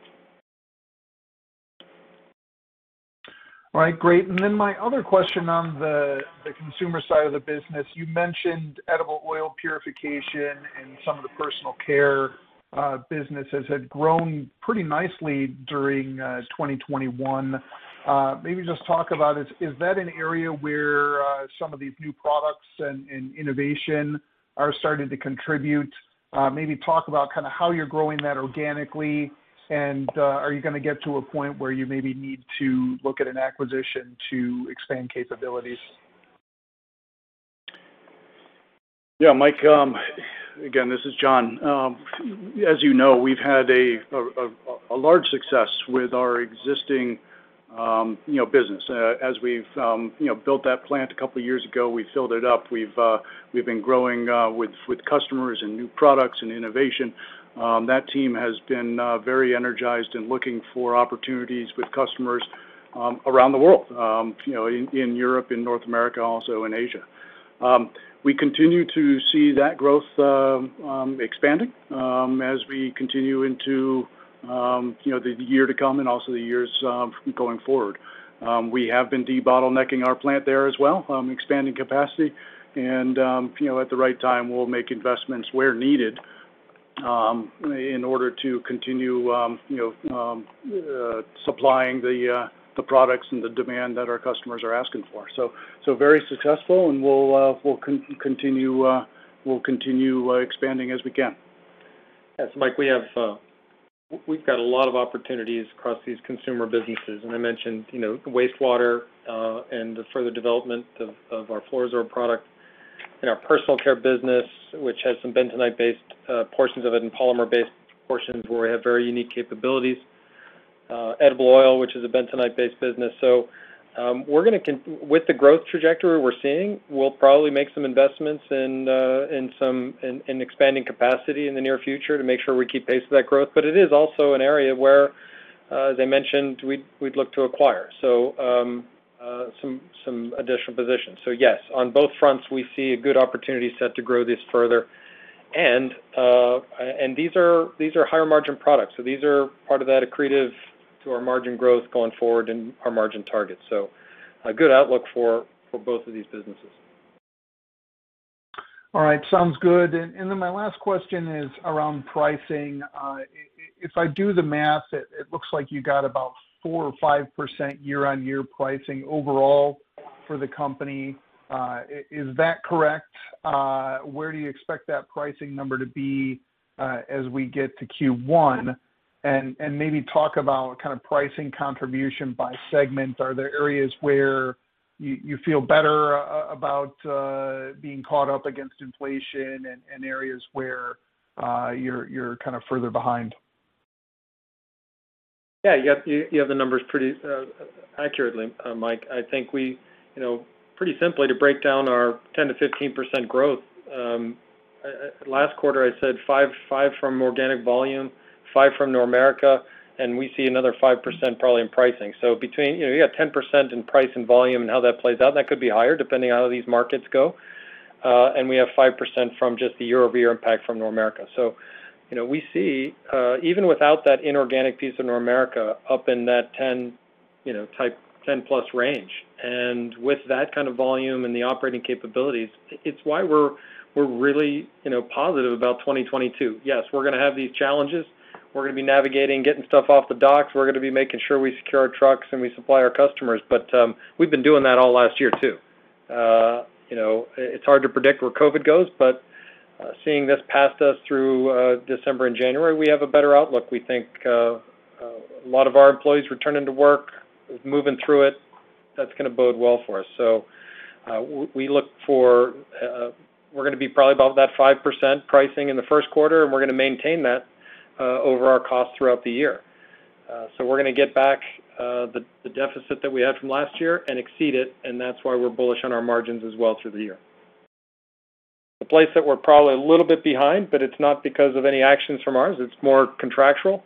All right, great. My other question on the consumer side of the business, you mentioned edible oil purification and some of the personal care businesses had grown pretty nicely during 2021. Maybe just talk about, is that an area where some of these new products and innovation are starting to contribute? Maybe talk about kind of how you're growing that organically, and are you gonna get to a point where you maybe need to look at an acquisition to expand capabilities? Yeah, Mike, again, this is John. As you know, we've had a large success with our existing, you know, business. As we've, you know, built that plant a couple years ago, we filled it up. We've been growing with customers and new products and innovation. That team has been very energized in looking for opportunities with customers around the world, you know, in Europe and North America, also in Asia. We continue to see that growth expanding as we continue into, you know, the year to come and also the years going forward. We have been de-bottlenecking our plant there as well, expanding capacity, and you know, at the right time, we'll make investments where needed in order to continue you know, supplying the products and the demand that our customers are asking for. Very successful, and we'll continue expanding as we can. Yes, Mike, we have, we've got a lot of opportunities across these consumer businesses, and I mentioned, you know, wastewater and the further development of our Fluoro-Sorb product in our personal care business, which has some bentonite-based portions of it and polymer-based portions where we have very unique capabilities. Edible oil, which is a bentonite-based business. With the growth trajectory we're seeing, we'll probably make some investments in expanding capacity in the near future to make sure we keep pace with that growth. But it is also an area where, as I mentioned, we'd look to acquire some additional positions. Yes, on both fronts, we see a good opportunity set to grow this further. These are higher margin products. These are part of that accretive to our margin growth going forward and our margin targets. A good outlook for both of these businesses. All right. Sounds good. Then my last question is around pricing. If I do the math, it looks like you got about 4 or 5% year-on-year pricing overall for the company. Is that correct? Where do you expect that pricing number to be as we get to Q1? Maybe talk about kind of pricing contribution by segment. Are there areas where you feel better about being caught up against inflation and areas where you're kind of further behind? Yeah. You have the numbers pretty accurately, Mike. I think we, you know, pretty simply to break down our 10%-15% growth. Last quarter, I said 5% from organic volume, 5% from Normerica, and we see another 5% probably in pricing. Between, you know, you got 10% in price and volume and how that plays out, that could be higher depending on how these markets go. We have 5% from just the year-over-year impact from Normerica. You know, we see even without that inorganic piece of Normerica up in that 10%, you know, type 10%+ range. With that kind of volume and the operating capabilities, it's why we're really, you know, positive about 2022. Yes, we're gonna have these challenges. We're gonna be navigating, getting stuff off the docks. We're gonna be making sure we secure our trucks and we supply our customers. We've been doing that all last year too. You know, it's hard to predict where COVID goes, but seeing this past us through December and January, we have a better outlook. We think a lot of our employees returning to work, moving through it, that's gonna bode well for us. We look for, we're gonna be probably about that 5% pricing in the first quarter, and we're gonna maintain that over our costs throughout the year. We're gonna get back the deficit that we had from last year and exceed it, and that's why we're bullish on our margins as well through the year. The place that we're probably a little bit behind, but it's not because of any actions from ours, it's more contractual.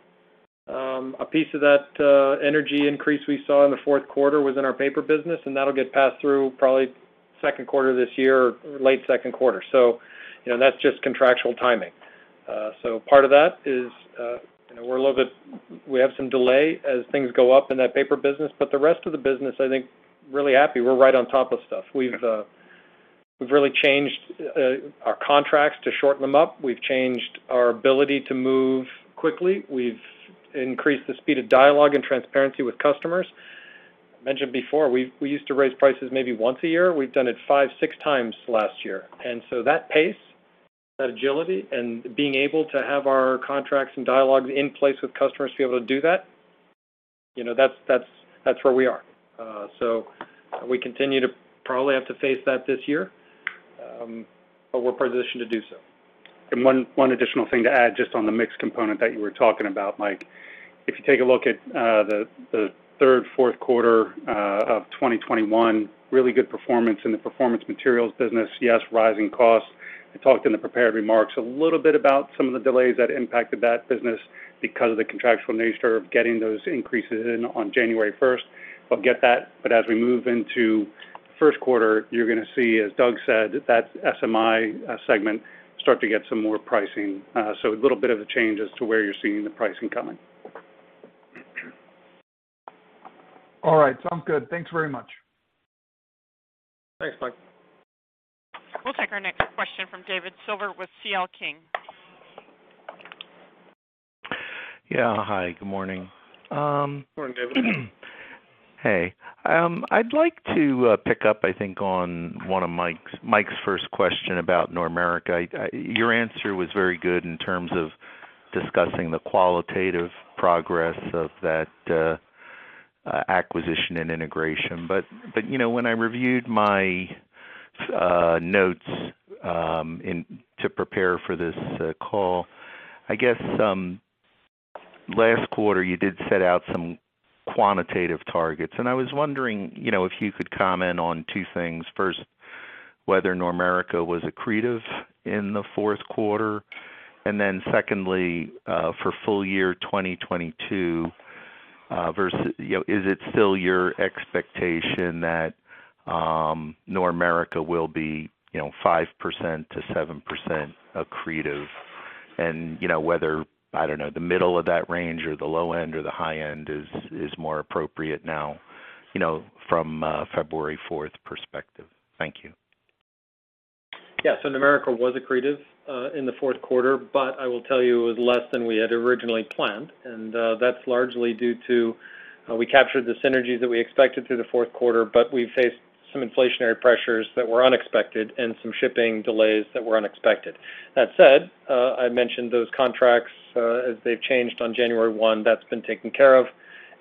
A piece of that, energy increase we saw in the fourth quarter was in our paper business, and that'll get passed through probably second quarter this year or late second quarter. You know, that's just contractual timing. Part of that is, you know, we have some delay as things go up in that paper business. The rest of the business, I think, really happy. We're right on top of stuff. We've really changed our contracts to shorten them up. We've changed our ability to move quickly. We've increased the speed of dialogue and transparency with customers. I mentioned before, we used to raise prices maybe once a year. We've done it 5, 6 times last year. That pace, that agility, and being able to have our contracts and dialogues in place with customers to be able to do that, you know, that's where we are. We continue to probably have to face that this year, but we're positioned to do so. One additional thing to add just on the mix component that you were talking about, Mike. If you take a look at the third, fourth quarter of 2021, really good performance in the Performance Materials business. Yes, rising costs. I talked in the prepared remarks a little bit about some of the delays that impacted that business because of the contractual nature of getting those increases in on January first. We'll get that, but as we move into first quarter, you're gonna see, as Doug said, that SMI segment start to get some more pricing. So a little bit of a change as to where you're seeing the pricing coming. All right. Sounds good. Thanks very much. Thanks, Mike. We'll take our next question from David Silver with CL King. Yeah. Hi, good morning. Good morning, David. Hey. I'd like to pick up, I think, on one of Mike's first question about Normerica. Your answer was very good in terms of discussing the qualitative progress of that acquisition and integration. You know, when I reviewed my notes in order to prepare for this call, I guess last quarter, you did set out some quantitative targets. I was wondering, you know, if you could comment on two things. First, whether Normerica was accretive in the fourth quarter. Secondly, for full year 2022, versus, you know, is it still your expectation that Normerica will be, you know, 5%-7% accretive? You know, whether, I don't know, the middle of that range or the low end or the high end is more appropriate now, you know, from a February fourth perspective. Thank you. Yeah. Normerica was accretive in the fourth quarter, but I will tell you it was less than we had originally planned. That's largely due to we captured the synergies that we expected through the fourth quarter, but we faced some inflationary pressures that were unexpected and some shipping delays that were unexpected. That said, I mentioned those contracts, as they've changed on January 1, that's been taken care of,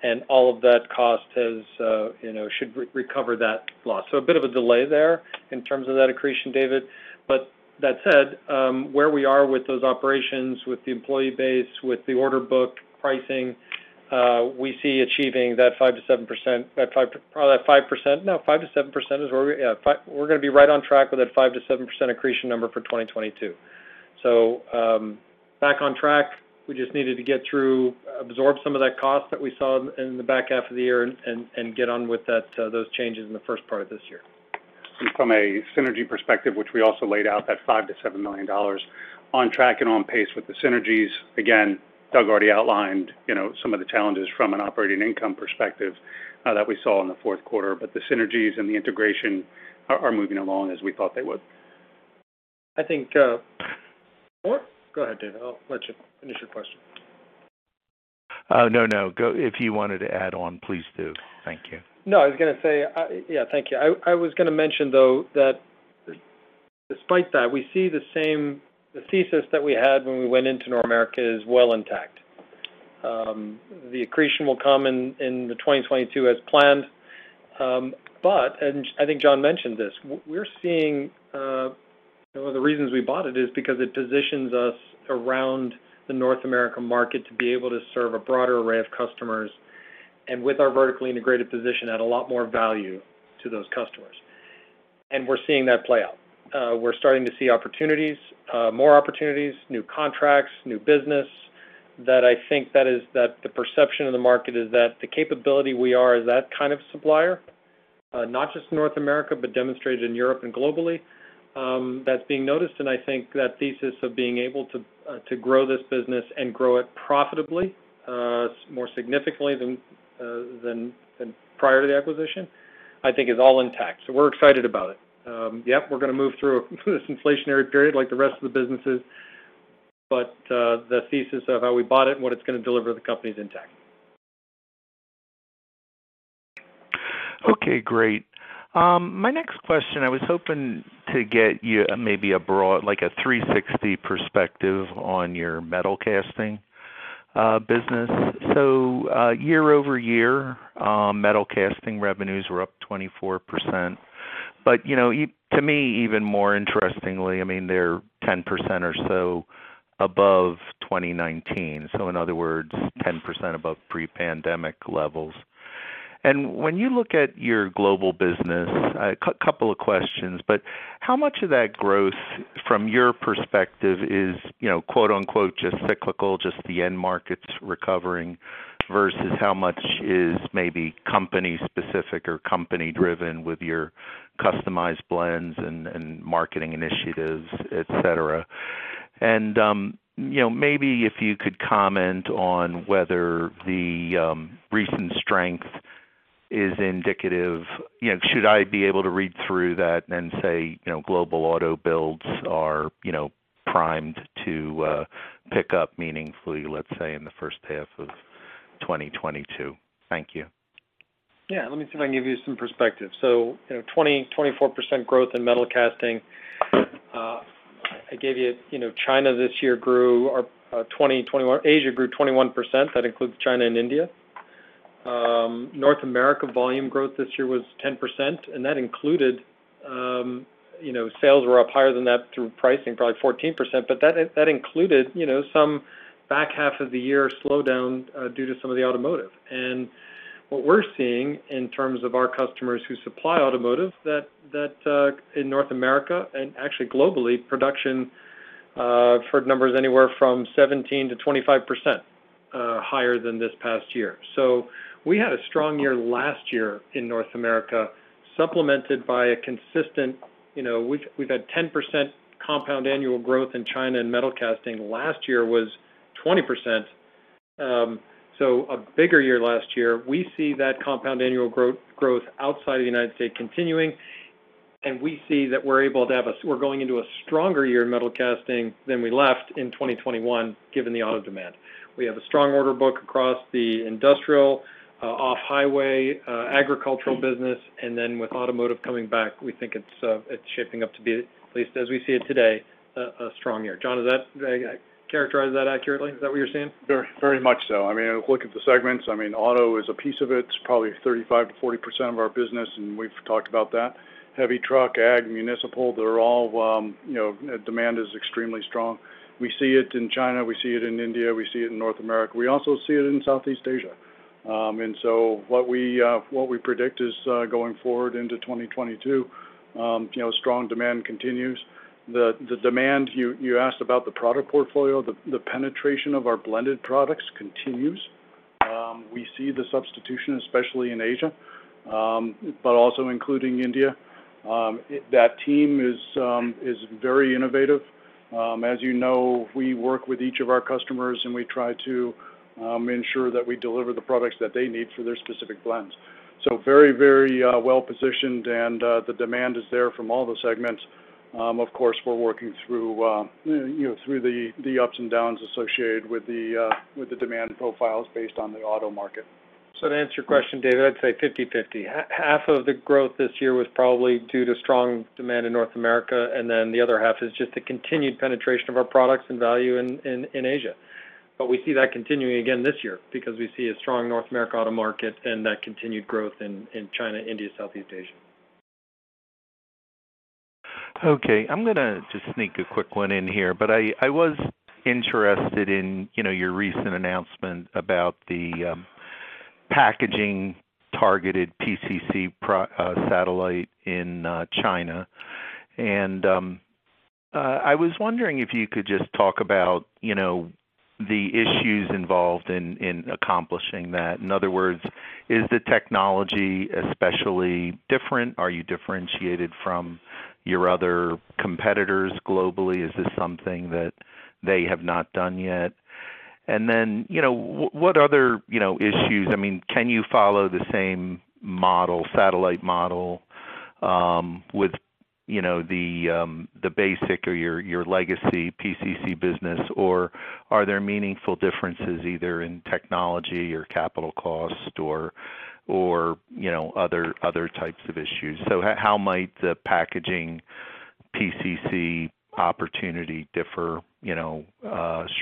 and all of that cost has, you know, should recover that loss. A bit of a delay there in terms of that accretion, David. That said, where we are with those operations, with the employee base, with the order book pricing, we see achieving that 5%-7%. That 5 to... Probably that 5%. No, 5%-7% is where we... Yeah. We're gonna be right on track with that 5%-7% accretion number for 2022. Back on track. We just needed to get through, absorb some of that cost that we saw in the back half of the year and get on with that, those changes in the first part of this year. From a synergy perspective, which we also laid out, that $5 million-$7 million on track and on pace with the synergies. Again, Doug already outlined, you know, some of the challenges from an operating income perspective that we saw in the fourth quarter. The synergies and the integration are moving along as we thought they would. I think, Moore? Go ahead, David. I'll let you finish your question. Oh, no. Go. If you wanted to add on, please do. Thank you. No, I was gonna say, yeah. Thank you. I was gonna mention though that despite that, we see the thesis that we had when we went into Normerica is well intact. The accretion will come in 2022 as planned. I think John mentioned this. We're seeing one of the reasons we bought it is because it positions us around the North America market to be able to serve a broader array of customers. With our vertically integrated position, add a lot more value to those customers. We're seeing that play out. We're starting to see opportunities, more opportunities, new contracts, new business that I think is the perception of the market is that the capability we have as that kind of supplier, not just North America, but demonstrated in Europe and globally, that's being noticed. I think that thesis of being able to grow this business and grow it profitably, so much more significantly than prior to the acquisition, I think is all intact. We're excited about it. We're gonna move through this inflationary period like the rest of the businesses, but the thesis of how we bought it and what it's gonna deliver to the company is intact. Okay, great. My next question, I was hoping to get you maybe a broad, like a 360 perspective on your metal casting business. Year over year, metal casting revenues were up 24%. You know, even to me, even more interestingly, I mean, they're 10% or so above 2019. In other words, 10% above pre-pandemic levels. When you look at your global business, a couple of questions, but how much of that growth from your perspective is, you know, quote-unquote, just cyclical, just the end markets recovering versus how much is maybe company specific or company driven with your customized blends and marketing initiatives, et cetera? You know, maybe if you could comment on whether the recent strength is indicative. You know, should I be able to read through that and say, you know, global auto builds are, you know, primed to pick up meaningfully, let's say, in the first half of 2022? Thank you. Yeah. Let me see if I can give you some perspective. You know, 24% growth in metal casting. I gave you know, China this year grew or 21. Asia grew 21%. That includes China and India. North America volume growth this year was 10%, and that included, you know, sales were up higher than that through pricing, probably 14%. That included, you know, some back half of the year slowdown due to some of the automotive. What we're seeing in terms of our customers who supply automotive in North America and actually globally, production. I've heard numbers anywhere from 17%-25% higher than this past year. We had a strong year last year in North America, supplemented by a consistent, you know... We've had 10% compound annual growth in China, and metal casting last year was 20%. A bigger year last year. We see that compound annual growth outside the United States continuing, and we see that we're going into a stronger year in metal casting than we left in 2021, given the auto demand. We have a strong order book across the industrial, off-highway, agricultural business, and then with automotive coming back, we think it's shaping up to be, at least as we see it today, a strong year. John, does that characterize that accurately? Is that what you're seeing? Very, very much so. I mean, look at the segments. I mean, auto is a piece of it. It's probably 35%-40% of our business, and we've talked about that. Heavy truck, ag, municipal, they're all, you know, demand is extremely strong. We see it in China, we see it in India, we see it in North America. We also see it in Southeast Asia. What we predict is going forward into 2022, you know, strong demand continues. The demand you asked about the product portfolio. The penetration of our blended products continues. We see the substitution, especially in Asia, but also including India. That team is very innovative. As you know, we work with each of our customers, and we try to ensure that we deliver the products that they need for their specific blends. Very well positioned, and the demand is there from all the segments. Of course, we're working through, you know, the ups and downs associated with the demand profiles based on the auto market. To answer your question, David, I'd say 50/50. Half of the growth this year was probably due to strong demand in North America, and then the other half is just the continued penetration of our products and value in Asia. We see that continuing again this year because we see a strong North America auto market and that continued growth in China, India, Southeast Asia. Okay. I'm gonna just sneak a quick one in here. I was interested in, you know, your recent announcement about the packaging targeted PCC satellite in China. I was wondering if you could just talk about, you know, the issues involved in accomplishing that. In other words, is the technology especially different? Are you differentiated from your other competitors globally? Is this something that they have not done yet? You know, what other issues. I mean, can you follow the same model, satellite model, with, you know, the basic or your legacy PCC business, or are there meaningful differences either in technology or capital cost or, you know, other types of issues? How might the packaging PCC opportunity differ, you know,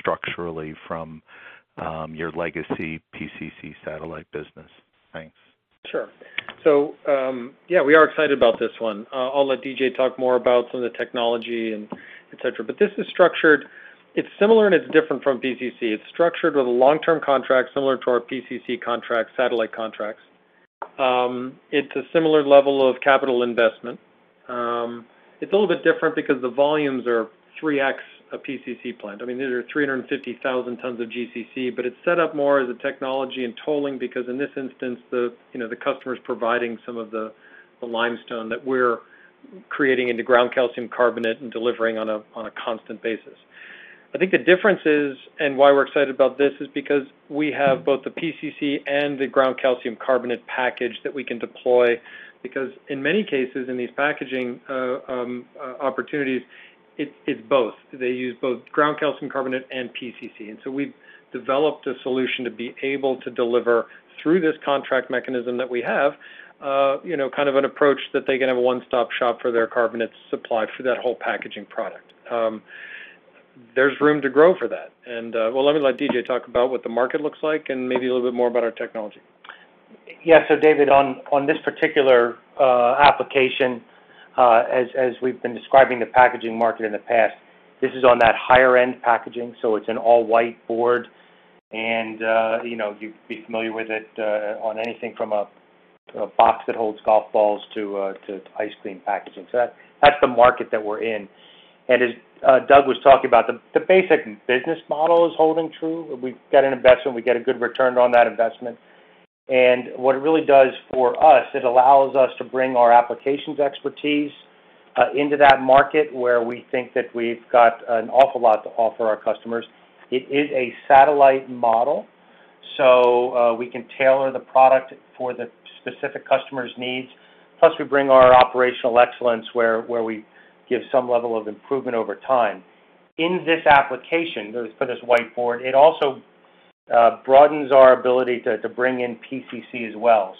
structurally from your legacy PCC satellite business? Thanks. Sure. Yeah, we are excited about this one. I'll let DJ talk more about some of the technology and et cetera. This is structured. It's similar and it's different from PCC. It's structured with a long-term contract similar to our PCC contract, satellite contracts. It's a similar level of capital investment. It's a little bit different because the volumes are 3x of PCC plant. I mean, these are 350,000 tons of GCC, but it's set up more as a technology and tolling because in this instance, you know, the customer is providing some of the limestone that we're creating into ground calcium carbonate and delivering on a constant basis. I think the difference is, and why we're excited about this, is because we have both the PCC and the ground calcium carbonate package that we can deploy. Because in many cases in these packaging opportunities, it's both. They use both ground calcium carbonate and PCC. We've developed a solution to be able to deliver through this contract mechanism that we have, you know, kind of an approach that they can have a one-stop shop for their carbonate supply for that whole packaging product. There's room to grow for that. Well, let me let DJ talk about what the market looks like and maybe a little bit more about our technology. Yeah. David, on this particular application, as we've been describing the packaging market in the past, this is on that higher-end packaging, so it's an all-white board. You know, you'd be familiar with it on anything from a box that holds golf balls to ice cream packaging. That's the market that we're in. As Doug was talking about, the basic business model is holding true. We've got an investment, we get a good return on that investment. What it really does for us, it allows us to bring our applications expertise into that market where we think that we've got an awful lot to offer our customers. It is a satellite model, so we can tailor the product for the specific customer's needs. Plus, we bring our operational excellence where we give some level of improvement over time. In this application, for this white board, it also broadens our ability to bring in PCC as well.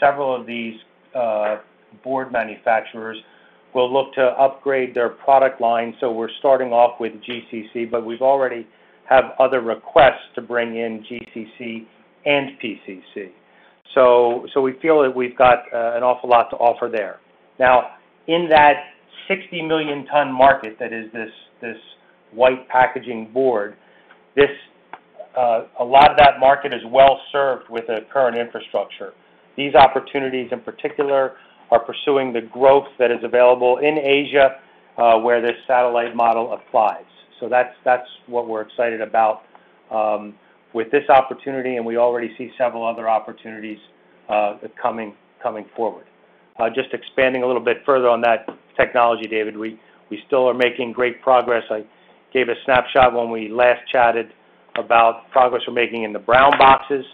Several of these board manufacturers will look to upgrade their product line. We're starting off with GCC, but we've already have other requests to bring in GCC and PCC. We feel that we've got an awful lot to offer there. Now, in that 60 million ton market that is this white packaging board, a lot of that market is well served with the current infrastructure. These opportunities in particular are pursuing the growth that is available in Asia, where this satellite model applies. That's what we're excited about with this opportunity, and we already see several other opportunities coming forward. Just expanding a little bit further on that technology, David, we still are making great progress. I gave a snapshot when we last chatted about progress we're making in the brown boxes.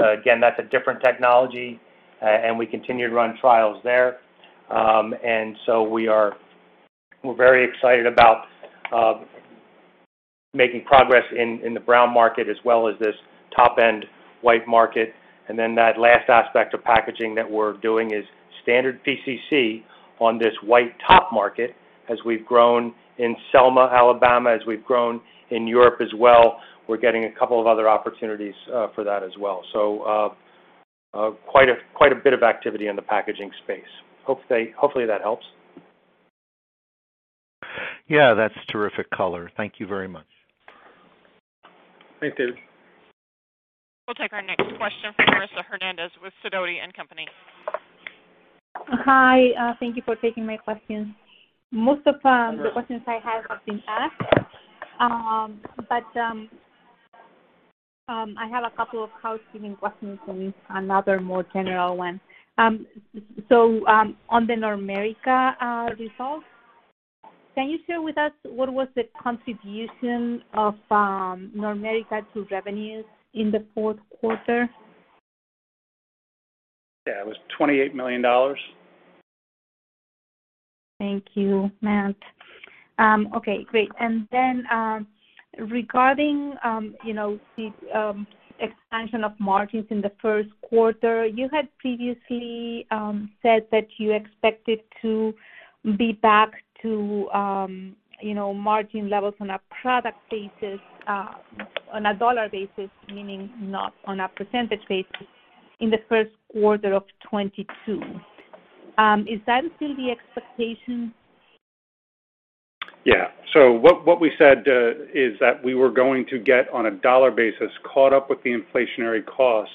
Again, that's a different technology, and we continue to run trials there. We're very excited about making progress in the brown market as well as this top-end white market. That last aspect of packaging that we're doing is standard PCC on this white top market as we've grown in Selma, Alabama, as we've grown in Europe as well. We're getting a couple of other opportunities for that as well. Quite a bit of activity in the packaging space. Hopefully that helps. Yeah, that's terrific color. Thank you very much. Thanks, David. We'll take our next question from Marisa Hernandez with Sidoti & Company. Hi, thank you for taking my questions. Most of the questions I have have been asked. I have a couple of housekeeping questions and another more general one. On the Normerica results, can you share with us what was the contribution of Normerica to revenues in the fourth quarter? Yeah. It was $28 million. Thank you, Matt. Okay, great. Regarding you know the expansion of margins in the first quarter, you had previously said that you expected to be back to you know margin levels on a product basis, on a dollar basis, meaning not on a percentage basis, in the first quarter of 2022. Is that still the expectation? What we said is that we were going to get on a dollar basis caught up with the inflationary costs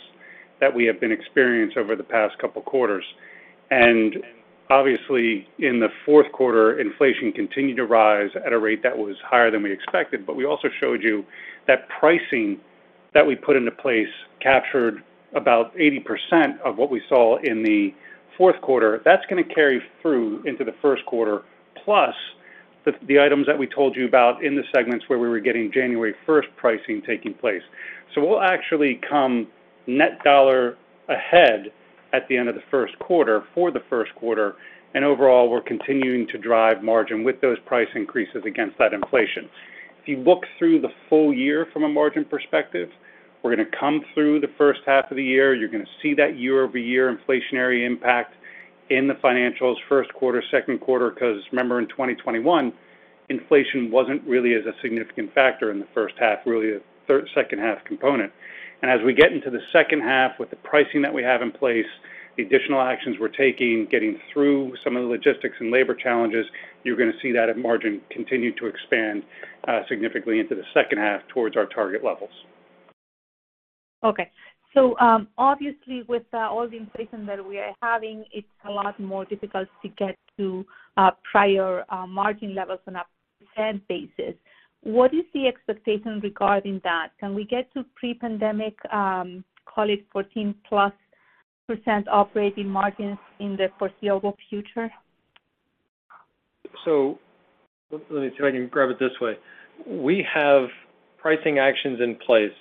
that we have been experienced over the past couple quarters. Obviously, in the fourth quarter, inflation continued to rise at a rate that was higher than we expected. We also showed you that pricing that we put into place captured about 80% of what we saw in the fourth quarter. That's gonna carry through into the first quarter, plus the items that we told you about in the segments where we were getting January first pricing taking place. We'll actually come net dollar ahead at the end of the first quarter for the first quarter. Overall, we're continuing to drive margin with those price increases against that inflation. If you look through the full year from a margin perspective, we're gonna come through the first half of the year. You're gonna see that year-over-year inflationary impact in the financials first quarter, second quarter, 'cause remember, in 2021, inflation wasn't really as a significant factor in the first half, really a third, second half component. As we get into the second half with the pricing that we have in place, the additional actions we're taking, getting through some of the logistics and labor challenges, you're gonna see that margin continue to expand, significantly into the second half towards our target levels. Okay. Obviously with all the inflation that we are having, it's a lot more difficult to get to prior margin levels on a percent basis. What is the expectation regarding that? Can we get to pre-pandemic, call it 14%+ operating margins in the foreseeable future? Let me see if I can grab it this way. We have pricing actions in place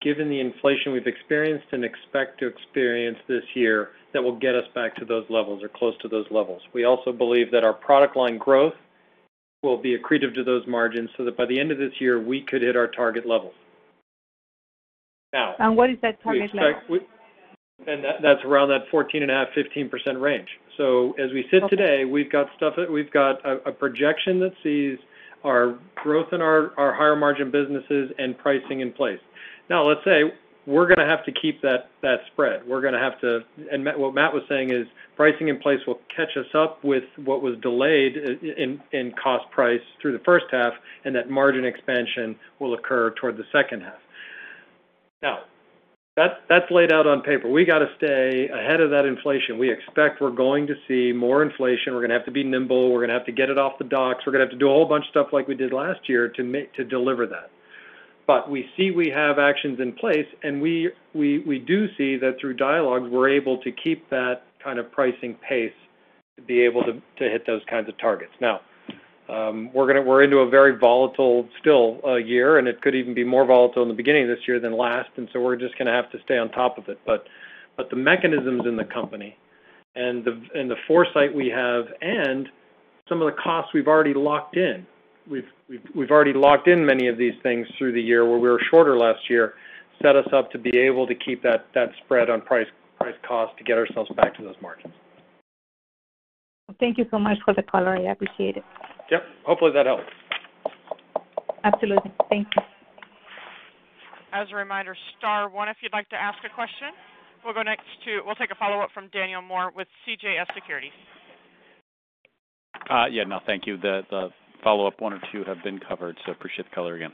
given the inflation we've experienced and expect to experience this year that will get us back to those levels or close to those levels. We also believe that our product line growth will be accretive to those margins so that by the end of this year, we could hit our target levels. What is that target level? That's around that 14.5%-15% range. As we sit today, we've got a projection that sees our growth in our higher margin businesses and pricing in place. Let's say we're gonna have to keep that spread. Matt, what Matt was saying is pricing in place will catch us up with what was delayed in cost price through the first half, and that margin expansion will occur toward the second half. That's laid out on paper. We got to stay ahead of that inflation. We expect we're going to see more inflation. We're gonna have to be nimble. We're gonna have to get it off the docks. We're gonna have to do a whole bunch of stuff like we did last year to deliver that. We see we have actions in place, and we do see that through dialogues, we're able to keep that kind of pricing pace to be able to hit those kinds of targets. Now, we're gonna—we're into a very volatile still year, and it could even be more volatile in the beginning of this year than last. We're just gonna have to stay on top of it. The mechanisms in the company and the foresight we have and some of the costs we've already locked in, we've already locked in many of these things through the year where we were shorter last year, set us up to be able to keep that spread on price cost to get ourselves back to those margins. Thank you so much for the color. I appreciate it. Yep. Hopefully, that helps. Absolutely. Thank you. As a reminder, star one if you'd like to ask a question. We'll take a follow-up from Daniel Moore with CJS Securities. Yeah, no, thank you. The follow-up one or two have been covered, so I appreciate the color again.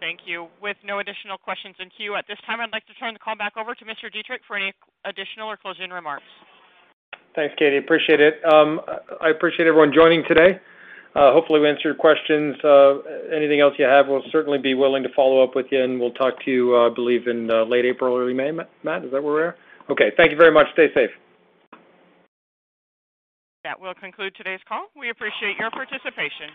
Thank you. With no additional questions in queue at this time, I'd like to turn the call back over to Mr. Dietrich for any additional or closing remarks. Thanks, Katie. Appreciate it. I appreciate everyone joining today. Hopefully we answered your questions. Anything else you have, we'll certainly be willing to follow up with you, and we'll talk to you, I believe in late April, early May. Matt, is that where we're at? Okay. Thank you very much. Stay safe. That will conclude today's call. We appreciate your participation.